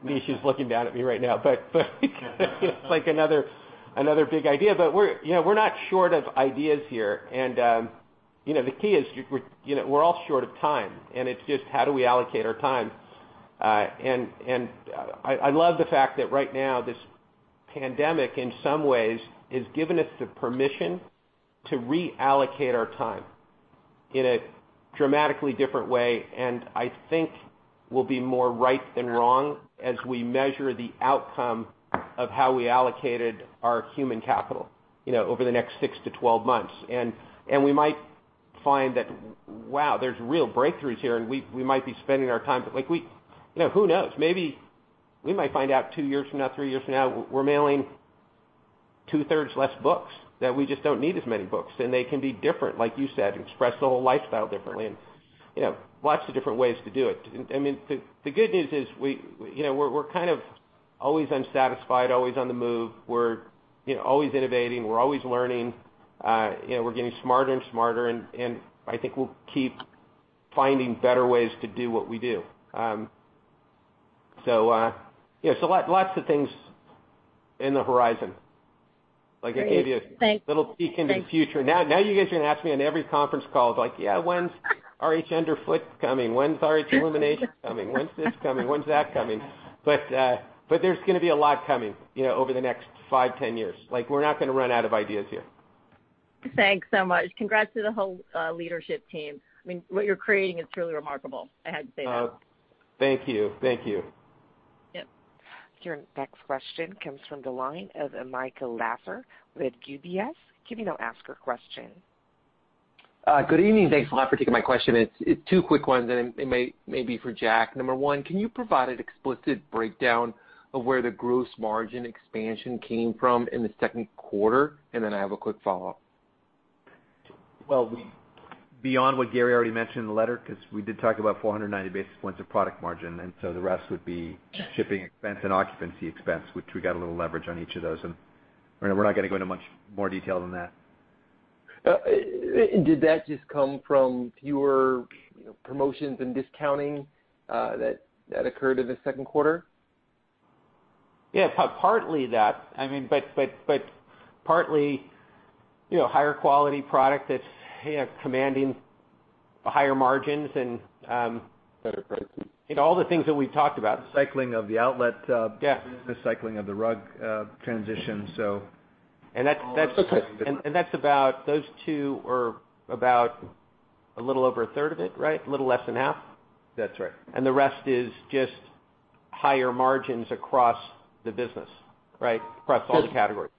Misha's looking down at me right now, it's like another big idea. We're not short of ideas here. The key is we're all short of time, and it's just how do we allocate our time? I love the fact that right now, this pandemic, in some ways, has given us the permission to reallocate our time in a dramatically different way, and I think we'll be more right than wrong as we measure the outcome of how we allocated our human capital over the next 6-12 months. We might find that, wow, there's real breakthroughs here, and we might be spending our time. Who knows? Maybe we might find out two years from now, three years from now, we're mailing two-thirds less books, that we just don't need as many books, and they can be different, like you said, express the whole lifestyle differently, and lots of different ways to do it. The good news is we're kind of always unsatisfied, always on the move. We're always innovating, we're always learning. We're getting smarter and smarter. I think we'll keep finding better ways to do what we do. Lots of things in the horizon. Great. Thanks. I gave you a little peek into the future. Now you guys are going to ask me on every conference call like, "Yeah, when's RH Underfoot coming? When's RH Illumination coming? When's this coming? When's that coming?" There's going to be a lot coming over the next five, 10 years. We're not going to run out of ideas here. Thanks so much. Congrats to the whole leadership team. What you're creating is truly remarkable. I had to say that. Thank you. Yep. Your next question comes from the line of Michael Lasser with UBS. Please ask your question. Good evening. Thanks a lot for taking my question. It's two quick ones, and it may be for Jack. Number one, can you provide an explicit breakdown of where the gross margin expansion came from in the second quarter? I have a quick follow-up. Well, beyond what Gary already mentioned in the letter, because we did talk about 490 basis points of product margin, and so the rest would be shipping expense and occupancy expense, which we got a little leverage on each of those, and we're not going to go into much more detail than that. Did that just come from fewer promotions and discounting that occurred in the second quarter? Yeah, partly that. Partly higher quality product that's commanding higher margins and all the things that we've talked about. Cycling of the outlet. Yeah. The cycling of the rug transition. Those two are about a little over a third of it, right? A little less than half? That's right. The rest is higher margins across the business. Right? Across all the categories.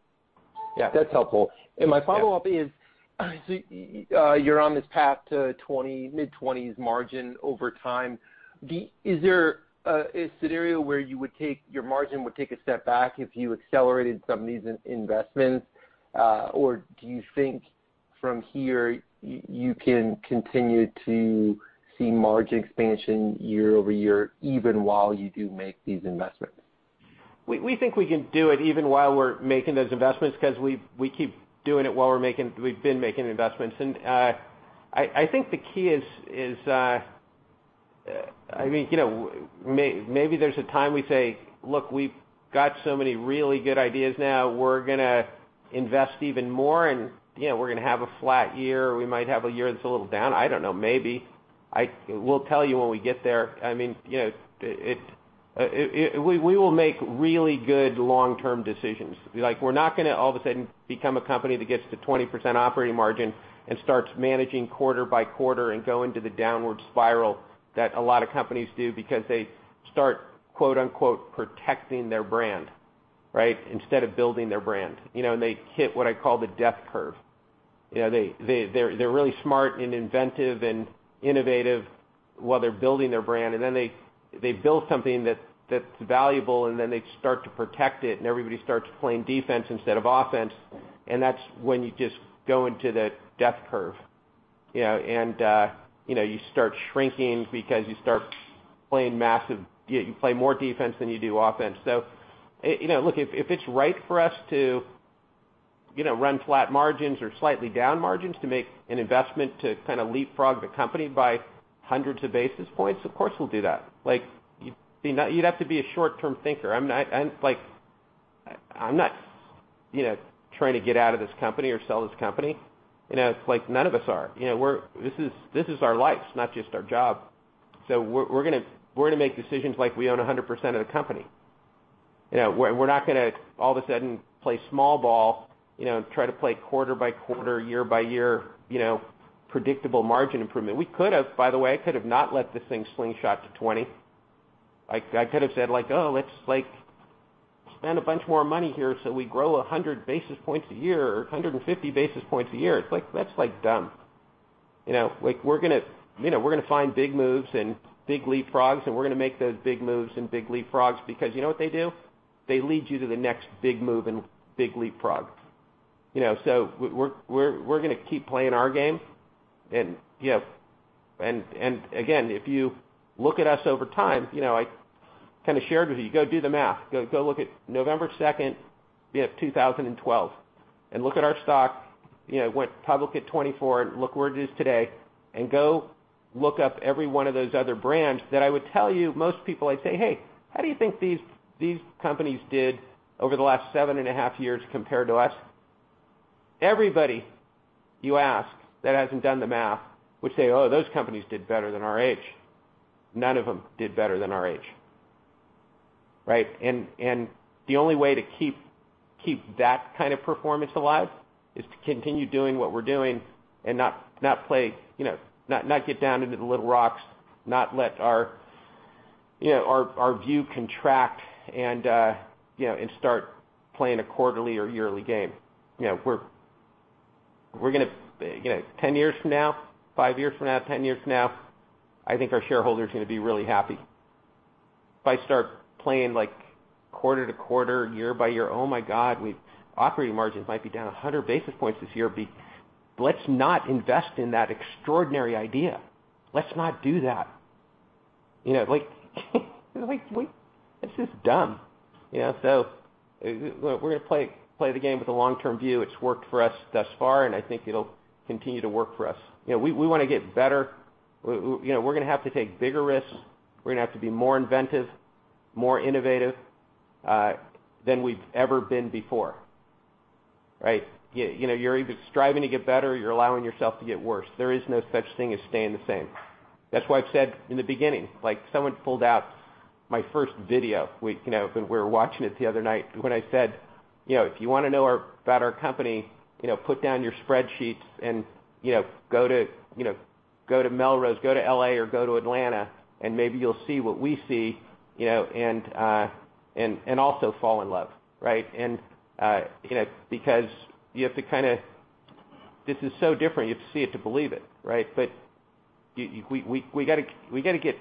Yeah. That's helpful. Yeah. My follow-up is, you're on this path to 20%, mid-20% margin over time. Is there a scenario where your margin would take a step back if you accelerated some of these investments? Do you think from here, you can continue to see margin expansion year-over-year, even while you do make these investments? We think we can do it even while we're making those investments, because we keep doing it while we've been making investments. I think the key is Maybe there's a time we say, "Look, we've got so many really good ideas now. We're going to invest even more, and we're going to have a flat year. We might have a year that's a little down." I don't know. Maybe. We'll tell you when we get there. We will make really good long-term decisions. We're not going to all of a sudden become a company that gets to 20% operating margin and starts managing quarter-by-quarter and go into the downward spiral that a lot of companies do because they start, quote unquote, "protecting their brand," instead of building their brand. They hit what I call the death curve. They're really smart and inventive and innovative while they're building their brand, then they build something that's valuable, then they start to protect it, and everybody starts playing defense instead of offense. That's when you just go into the death curve. You start shrinking because you start playing more defense than you do offense. Look, if it's right for us to run flat margins or slightly down margins to make an investment to kind of leapfrog the company by hundreds of basis points, of course we'll do that. You'd have to be a short-term thinker. I'm not trying to get out of this company or sell this company. None of us are. This is our life, it's not just our job. We're going to make decisions like we own 100% of the company. We're not going to all of a sudden play small ball, try to play quarter by quarter, year-by-year, predictable margin improvement. We could have, by the way, could have not let this thing slingshot to 20%. I could have said, "Oh, let's spend a bunch more money here so we grow 100 basis points a year or 150 basis points a year." That's dumb. We're going to find big moves and big leapfrogs, we're going to make those big moves and big leapfrogs because you know what they do? They lead you to the next big move and big leapfrog. We're going to keep playing our game. Again, if you look at us over time, I kind of shared with you, go do the math. Go look at November second, 2012 and look at our stock. It went public at $24. Look where it is today. Go look up every one of those other brands that I would tell you, most people I'd say, "Hey, how do you think these companies did over the last seven and a half years compared to us?" Everybody you ask that hasn't done the math would say, "Oh, those companies did better than RH." None of them did better than RH. Right? The only way to keep that kind of performance alive is to continue doing what we're doing and not get down into the little rocks, not let our view contract and start playing a quarterly or yearly game. 10 years from now, five years from now, 10 years from now, I think our shareholders are going to be really happy. If I start playing like quarter-to-quarter, year-by-year, oh my God, operating margins might be down 100 basis points this year, let's not invest in that extraordinary idea. Let's not do that. It's just dumb. We're going to play the game with a long-term view. It's worked for us thus far, and I think it'll continue to work for us. We want to get better. We're going to have to take bigger risks. We're going to have to be more inventive, more innovative than we've ever been before, right? You're either striving to get better or you're allowing yourself to get worse. There is no such thing as staying the same. That's why I've said in the beginning, someone pulled out my first video, we were watching it the other night, when I said, "If you want to know about our company, put down your spreadsheets and go to Melrose, go to L.A. or go to Atlanta, and maybe you'll see what we see and also fall in love, right?" This is so different, you have to see it to believe it, right? We got to get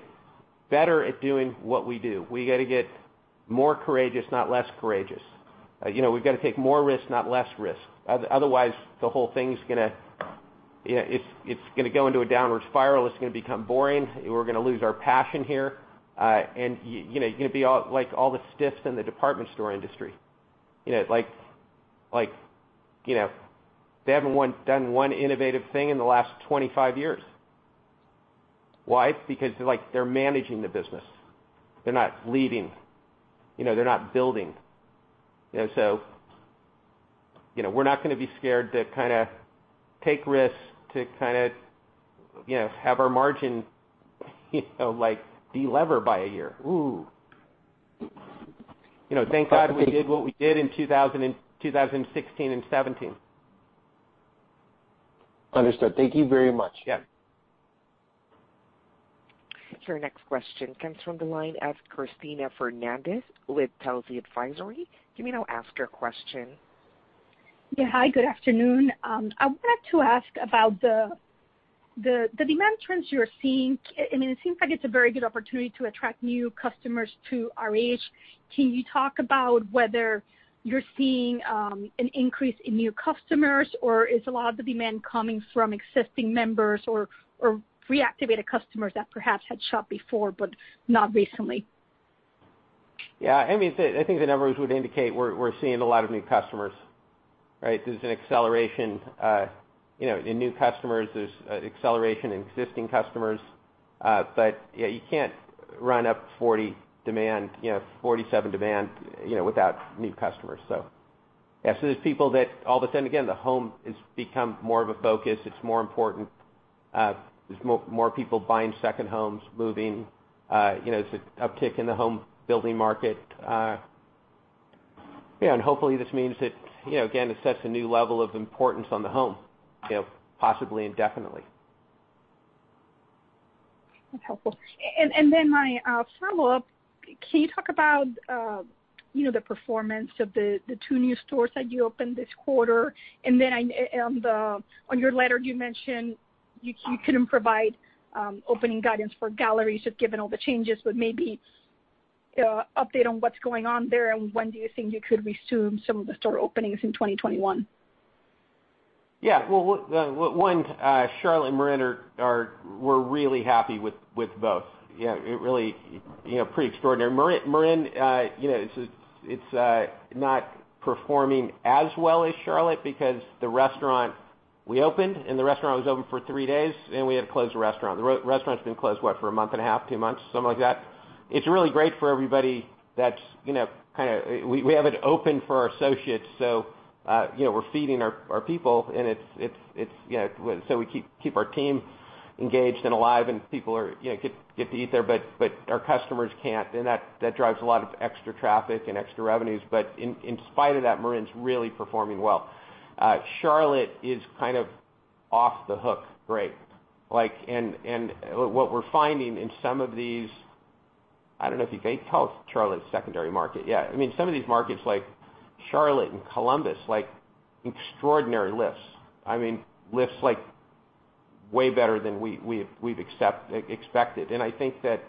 better at doing what we do. We got to get more courageous, not less courageous. We've got to take more risks, not less risks. Otherwise, the whole thing's going to go into a downward spiral. It's going to become boring, and we're going to lose our passion here. You're going to be like all the stiffs in the department store industry. They haven't done one innovative thing in the last 25 years. Why? It's because they're managing the business. They're not leading. They're not building. We're not going to be scared to take risks, to have our margin de-lever by a year. Ooh. Thank God we did what we did in 2016 and 2017. Understood. Thank you very much. Yeah. Your next question comes from the line of Cristina Fernández with Telsey Advisory. You may now ask your question. Yeah. Hi, good afternoon. I wanted to ask about the demand trends you are seeing. It seems like it's a very good opportunity to attract new customers to RH. Can you talk about whether you're seeing an increase in new customers, or is a lot of the demand coming from existing members or reactivated customers that perhaps had shopped before, but not recently? Yeah. I think the numbers would indicate we're seeing a lot of new customers, right? There's an acceleration in new customers, there's acceleration in existing customers. You can't run up 47 demand without new customers. There's people that all of a sudden, again, the home has become more of a focus. It's more important. There's more people buying second homes, moving. There's an uptick in the home building market. Hopefully this means that, again, it sets a new level of importance on the home, possibly indefinitely. That's helpful. My follow-up, can you talk about the performance of the two new stores that you opened this quarter? On your letter, you mentioned you couldn't provide opening guidance for galleries just given all the changes, but maybe update on what's going on there, and when do you think you could resume some of the store openings in 2021? Well, one, Charlotte and Marin, we're really happy with both. Pretty extraordinary. Marin, it's not performing as well as Charlotte because the restaurant, we opened, and the restaurant was open for three days, then we had to close the restaurant. The restaurant's been closed, what, for a month and a half, two months, something like that. It's really great for everybody. We have it open for our associates, so we're feeding our people, so we keep our team engaged and alive, and people get to eat there, but our customers can't. That drives a lot of extra traffic and extra revenues. In spite of that, Marin's really performing well. Charlotte is kind of off the hook great. What we're finding in some of these, I don't know if you'd call Charlotte a secondary market. Some of these markets like Charlotte and Columbus, extraordinary lifts. Lifts way better than we've expected. I think that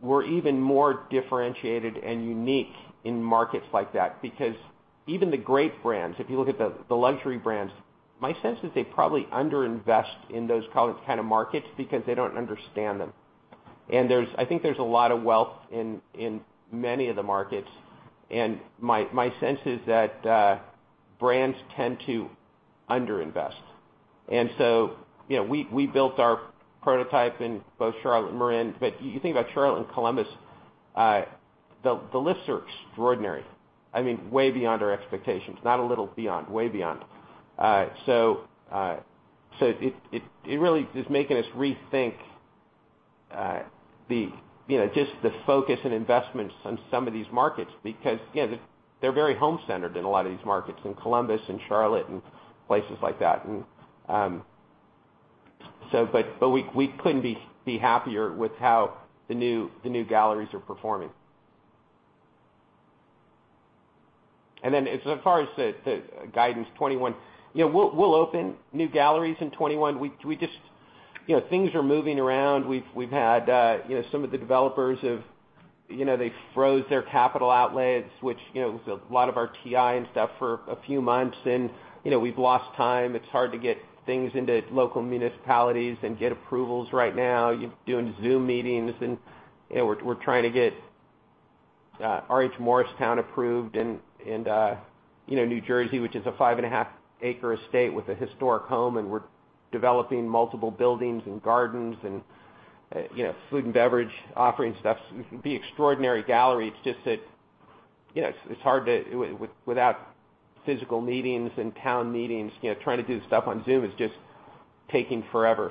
we're even more differentiated and unique in markets like that because even the great brands, if you look at the luxury brands, my sense is they probably under-invest in those kinds of markets because they don't understand them. I think there's a lot of wealth in many of the markets, and my sense is that brands tend to under-invest. We built our prototype in both Charlotte and Marin. You think about Charlotte and Columbus, the lifts are extraordinary. Way beyond our expectations. Not a little beyond, way beyond. It really is making us rethink just the focus and investments on some of these markets because they're very home centered in a lot of these markets, in Columbus and Charlotte and places like that. We couldn't be happier with how the new galleries are performing. As far as the guidance, we'll open new galleries in 2021. Things are moving around. We've had some of the developers have froze their capital outlays, which was a lot of our TI and stuff for a few months and we've lost time. It's hard to get things into local municipalities and get approvals right now. You're doing Zoom meetings and we're trying to get RH Morristown approved in New Jersey, which is a 5.5 acre estate with a historic home, and we're developing multiple buildings and gardens and food and beverage offerings stuff. It'll be an extraordinary gallery. It's just that it's hard without physical meetings and town meetings. Trying to do this stuff on Zoom is just taking forever.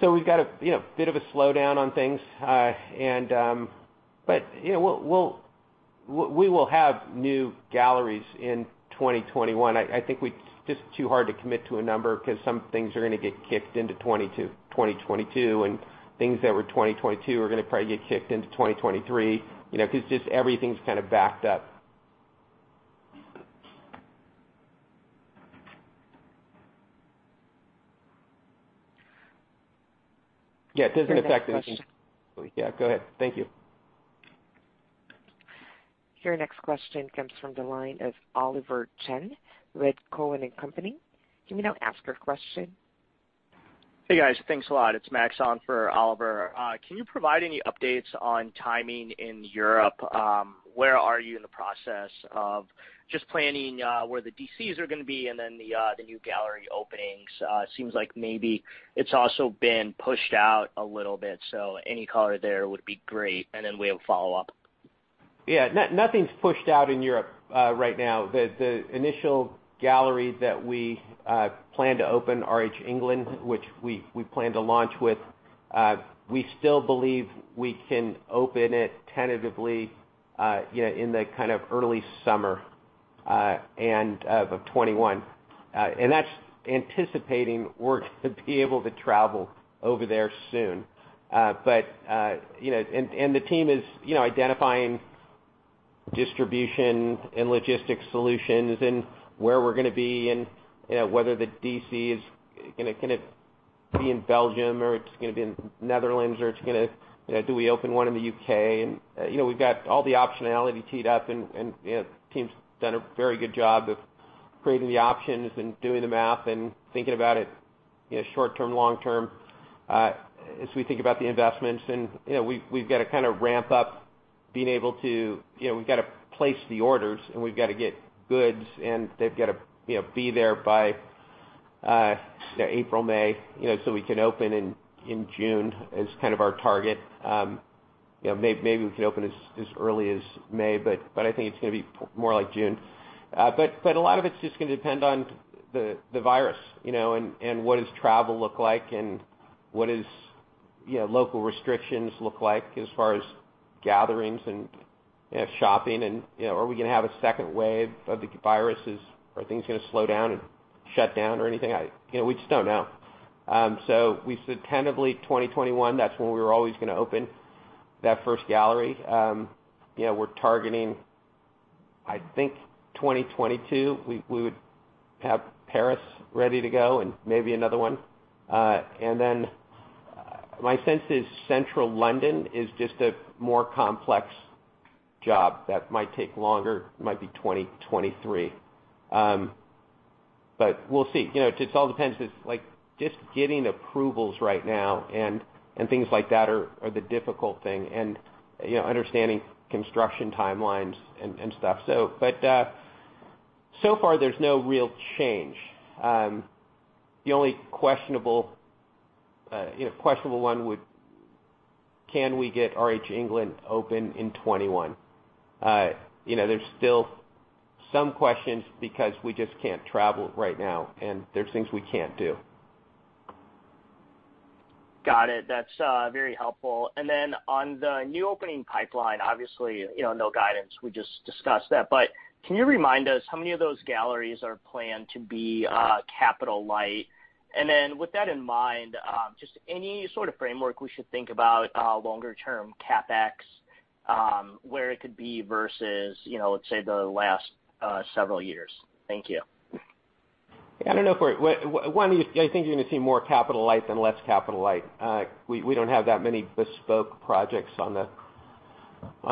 We've got a bit of a slowdown on things. We will have new galleries in 2021. I think it's just too hard to commit to a number because some things are going to get kicked into 2022, and things that were 2022 are going to probably get kicked into 2023, because just everything's kind of backed up. Yeah, it doesn't affect anything. Your next question. Yeah, go ahead. Thank you. Your next question comes from the line of Oliver Chen with Cowen and Company. You may now ask your question. Hey, guys. Thanks a lot. It's Max on for Oliver. Can you provide any updates on timing in Europe? Where are you in the process of just planning where the DCs are going to be and then the new gallery openings? It seems like maybe it's also been pushed out a little bit. Any color there would be great. We have a follow-up. Yeah. Nothing's pushed out in Europe right now. The initial gallery that we plan to open, RH England, we still believe we can open it tentatively in the early summer end of 2021. That's anticipating we're going to be able to travel over there soon. The team is identifying distribution and logistics solutions and where we're going to be and whether the DC is going to be in Belgium or it's going to be in Netherlands or do we open one in the U.K.? We've got all the optionality teed up, and teams have done a very good job of creating the options and doing the math and thinking about it short-term, long-term as we think about the investments. We've got to kind of ramp up being able to place the orders, and we've got to get goods, and they've got to be there by April, May, so we can open in June is kind of our target. Maybe we can open as early as May, but I think it's going to be more like June. A lot of it's just going to depend on the virus, and what does travel look like and what does local restrictions look like as far as gatherings and shopping, and are we going to have a second wave of the virus? Are things going to slow down and shut down or anything? We just don't know. We said tentatively 2021, that's when we were always going to open that first gallery. We're targeting, I think, 2022, we would have Paris ready to go and maybe another one. My sense is Central London is just a more complex job that might take longer, might be 2023. We'll see. It all depends because just getting approvals right now and things like that are the difficult thing, and understanding construction timelines and stuff. So far, there's no real change. The only questionable one, can we get RH England open in 2021? There's still some questions because we just can't travel right now, and there's things we can't do. Got it. That's very helpful. Then on the new opening pipeline, obviously, no guidance, we just discussed that. Can you remind us how many of those galleries are planned to be capital light? Then with that in mind, just any sort of framework we should think about longer term CapEx, where it could be versus, let's say, the last several years. Thank you. Yeah, I don't know. One, I think you're going to see more capital light than less capital light. We don't have that many bespoke projects on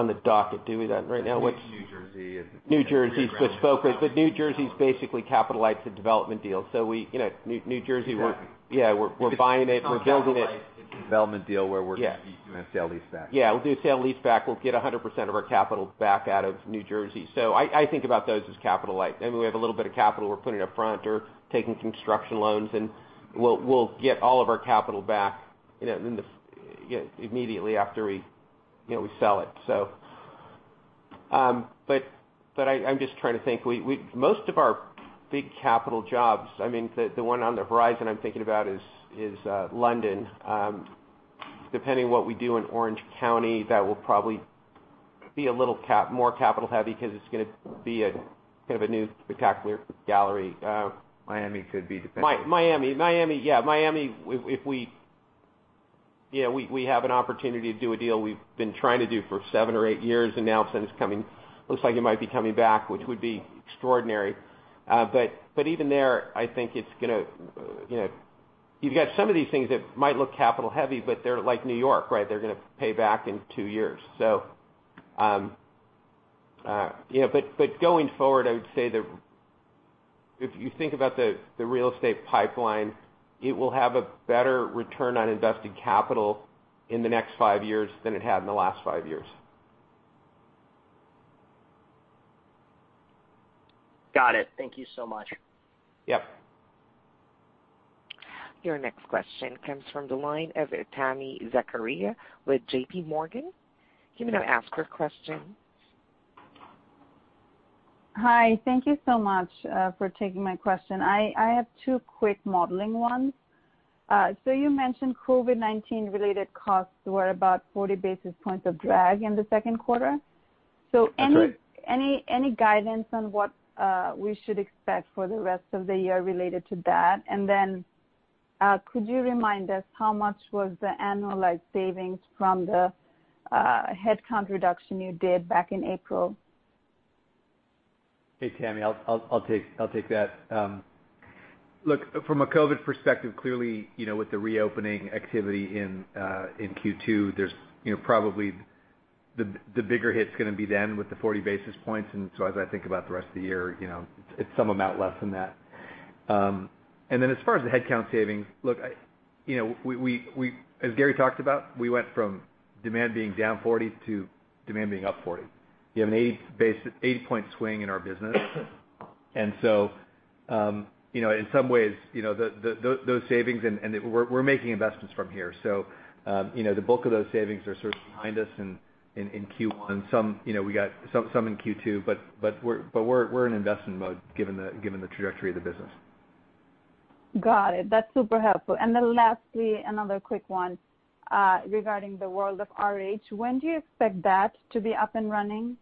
the docket, do we, Dan, right now? There's New Jersey. New Jersey is bespoke. New Jersey's basically capital light. It's a development deal. Exactly We're buying it, we're building it. It's not capital light. It's a development deal where we're going to do a sale and leaseback. Yeah, we'll do a sale and leaseback. We'll get 100% of our capital back out of New Jersey. I think about those as capital light. We have a little bit of capital we're putting up front or taking construction loans, and we'll get all of our capital back immediately after we sell it. I'm just trying to think. Most of our big capital jobs, the one on the horizon I'm thinking about is London. Depending on what we do in Orange County, that will probably be a little more capital heavy because it's going to be a new spectacular gallery. Miami could be, depending. Miami, yeah. Miami, if we have an opportunity to do a deal we've been trying to do for seven or eight years, now all of a sudden it looks like it might be coming back, which would be extraordinary. Even there, you've got some of these things that might look capital heavy, but they're like New York, right? They're going to pay back in two years. Going forward, I would say that if you think about the real estate pipeline, it will have a better return on invested capital in the next five years than it had in the last five years. Got it. Thank you so much. Yep. Your next question comes from the line of Tami Zakaria with J.P. Morgan. You may now ask your question. Hi. Thank you so much for taking my question. I have two quick modeling ones. You mentioned COVID-19 related costs were about 40 basis points of drag in the second quarter. That's right. Any guidance on what we should expect for the rest of the year related to that? Could you remind us how much was the annualized savings from the headcount reduction you did back in April? Hey, Tami, I'll take that. Look, from a COVID perspective, clearly, with the reopening activity in Q2, probably the bigger hit's going to be then with the 40 basis points. As I think about the rest of the year, it's some amount less than that. As far as the headcount savings, look, as Gary talked about, we went from demand being down 40% to demand being up 40%. You have an 80-point swing in our business. In some ways, those savings, and we're making investments from here. The bulk of those savings are sort of behind us in Q1. We got some in Q2, but we're in investment mode given the trajectory of the business. Got it. That's super helpful. Lastly, another quick one regarding The World of RH. When do you expect that to be up and running?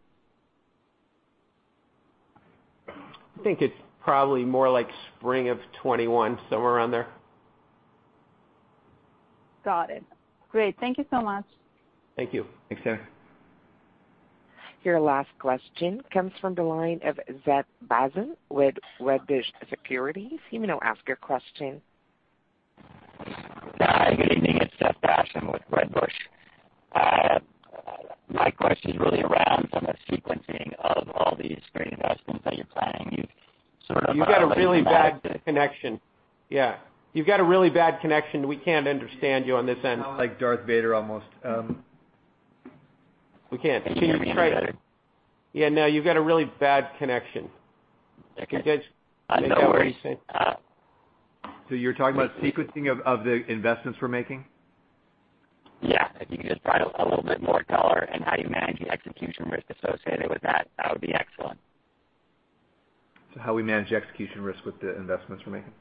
I think it's probably more like spring of 2021, somewhere around there. Got it. Great. Thank you so much. Thank you. Thanks, Sara. Your last question comes from the line of Seth Basham with Wedbush Securities. You may now ask your question. Hi. Good evening. It's Seth Basham with Wedbush. My question is really around some of the sequencing of all these great investments that you're planning. You've got a really bad connection. Yeah. You've got a really bad connection. We can't understand you on this end. You sound like Darth Vader almost. We can't. Can you try- Can you hear me any better? Yeah, no, you've got a really bad connection. Okay. Can you guys make out what he's saying? You're talking about sequencing of the investments we're making? Yeah. If you could just provide a little bit more color on how you manage the execution risk associated with that would be excellent. How we manage the execution risk with the investments we're making.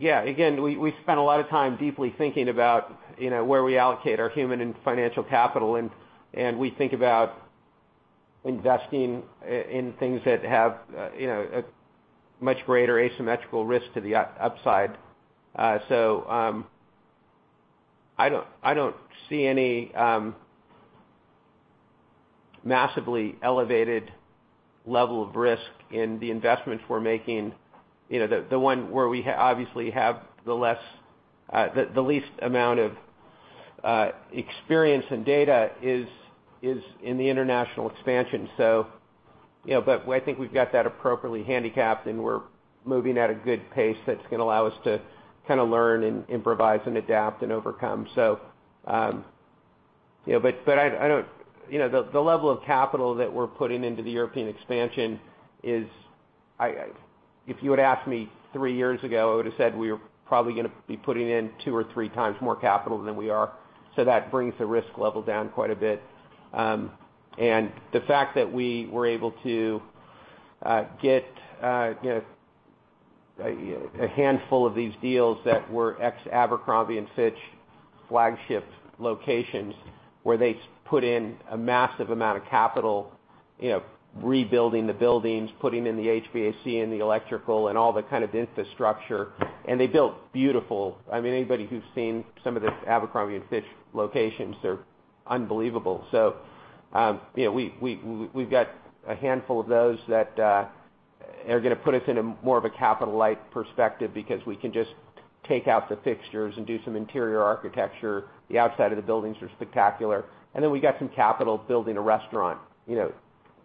Yeah. Again, we spent a lot of time deeply thinking about where we allocate our human and financial capital, and we think about investing in things that have a much greater asymmetrical risk to the upside. I don't see any massively elevated level of risk in the investments we're making. The one where we obviously have the least amount of experience and data is in the international expansion. I think we've got that appropriately handicapped, and we're moving at a good pace that's going to allow us to kind of learn and improvise and adapt and overcome. The level of capital that we're putting into the European expansion is If you had asked me three years ago, I would have said we were probably going to be putting in two or three times more capital than we are. That brings the risk level down quite a bit. The fact that we were able to get a handful of these deals that were ex-Abercrombie & Fitch flagship locations, where they put in a massive amount of capital, rebuilding the buildings, putting in the HVAC and the electrical and all the kind of infrastructure. They built beautiful Anybody who's seen some of these Abercrombie & Fitch locations, they're unbelievable. We've got a handful of those that are going to put us in a more of a capital light perspective because we can just take out the fixtures and do some interior architecture. The outside of the buildings are spectacular. Then we got some capital building a restaurant,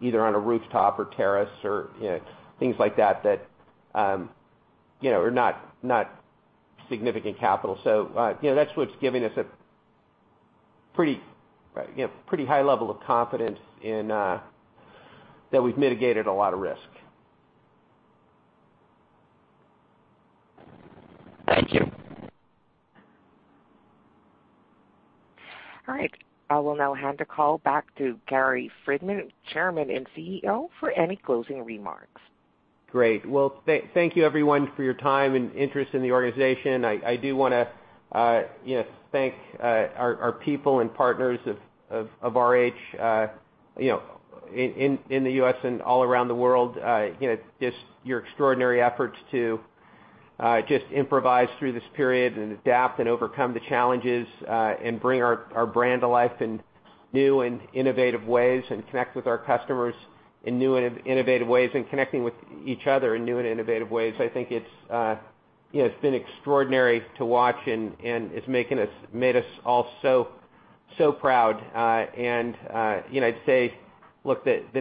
either on a rooftop or terrace or things like that are not significant capital. That's what's giving us a pretty high level of confidence in that we've mitigated a lot of risk. Thank you. All right. I will now hand the call back to Gary Friedman, Chairman and CEO, for any closing remarks. Great. Well, thank you everyone for your time and interest in the organization. I do want to thank our people and partners of RH in the U.S. and all around the world. Your extraordinary efforts to improvise through this period and adapt and overcome the challenges and bring our brand to life in new and innovative ways and connect with our customers in new and innovative ways and connecting with each other in new and innovative ways. I think it's been extraordinary to watch, and it's made us all so proud. I'd say, look, the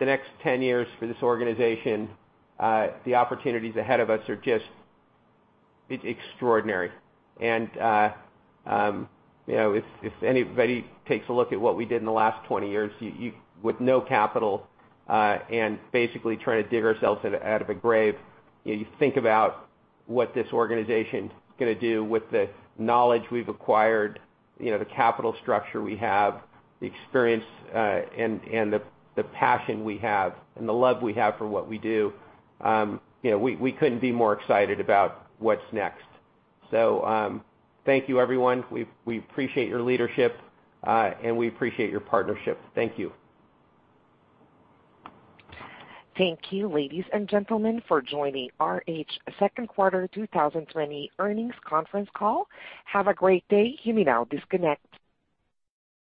next 10 years for this organization, the opportunities ahead of us are just extraordinary. If anybody takes a look at what we did in the last 20 years with no capital and basically trying to dig ourselves out of a grave, you think about what this organization's going to do with the knowledge we've acquired, the capital structure we have, the experience and the passion we have and the love we have for what we do. We couldn't be more excited about what's next. Thank you, everyone. We appreciate your leadership, and we appreciate your partnership. Thank you. Thank you, ladies and gentlemen, for joining RH second quarter 2020 earnings conference call. Have a great day. You may now disconnect.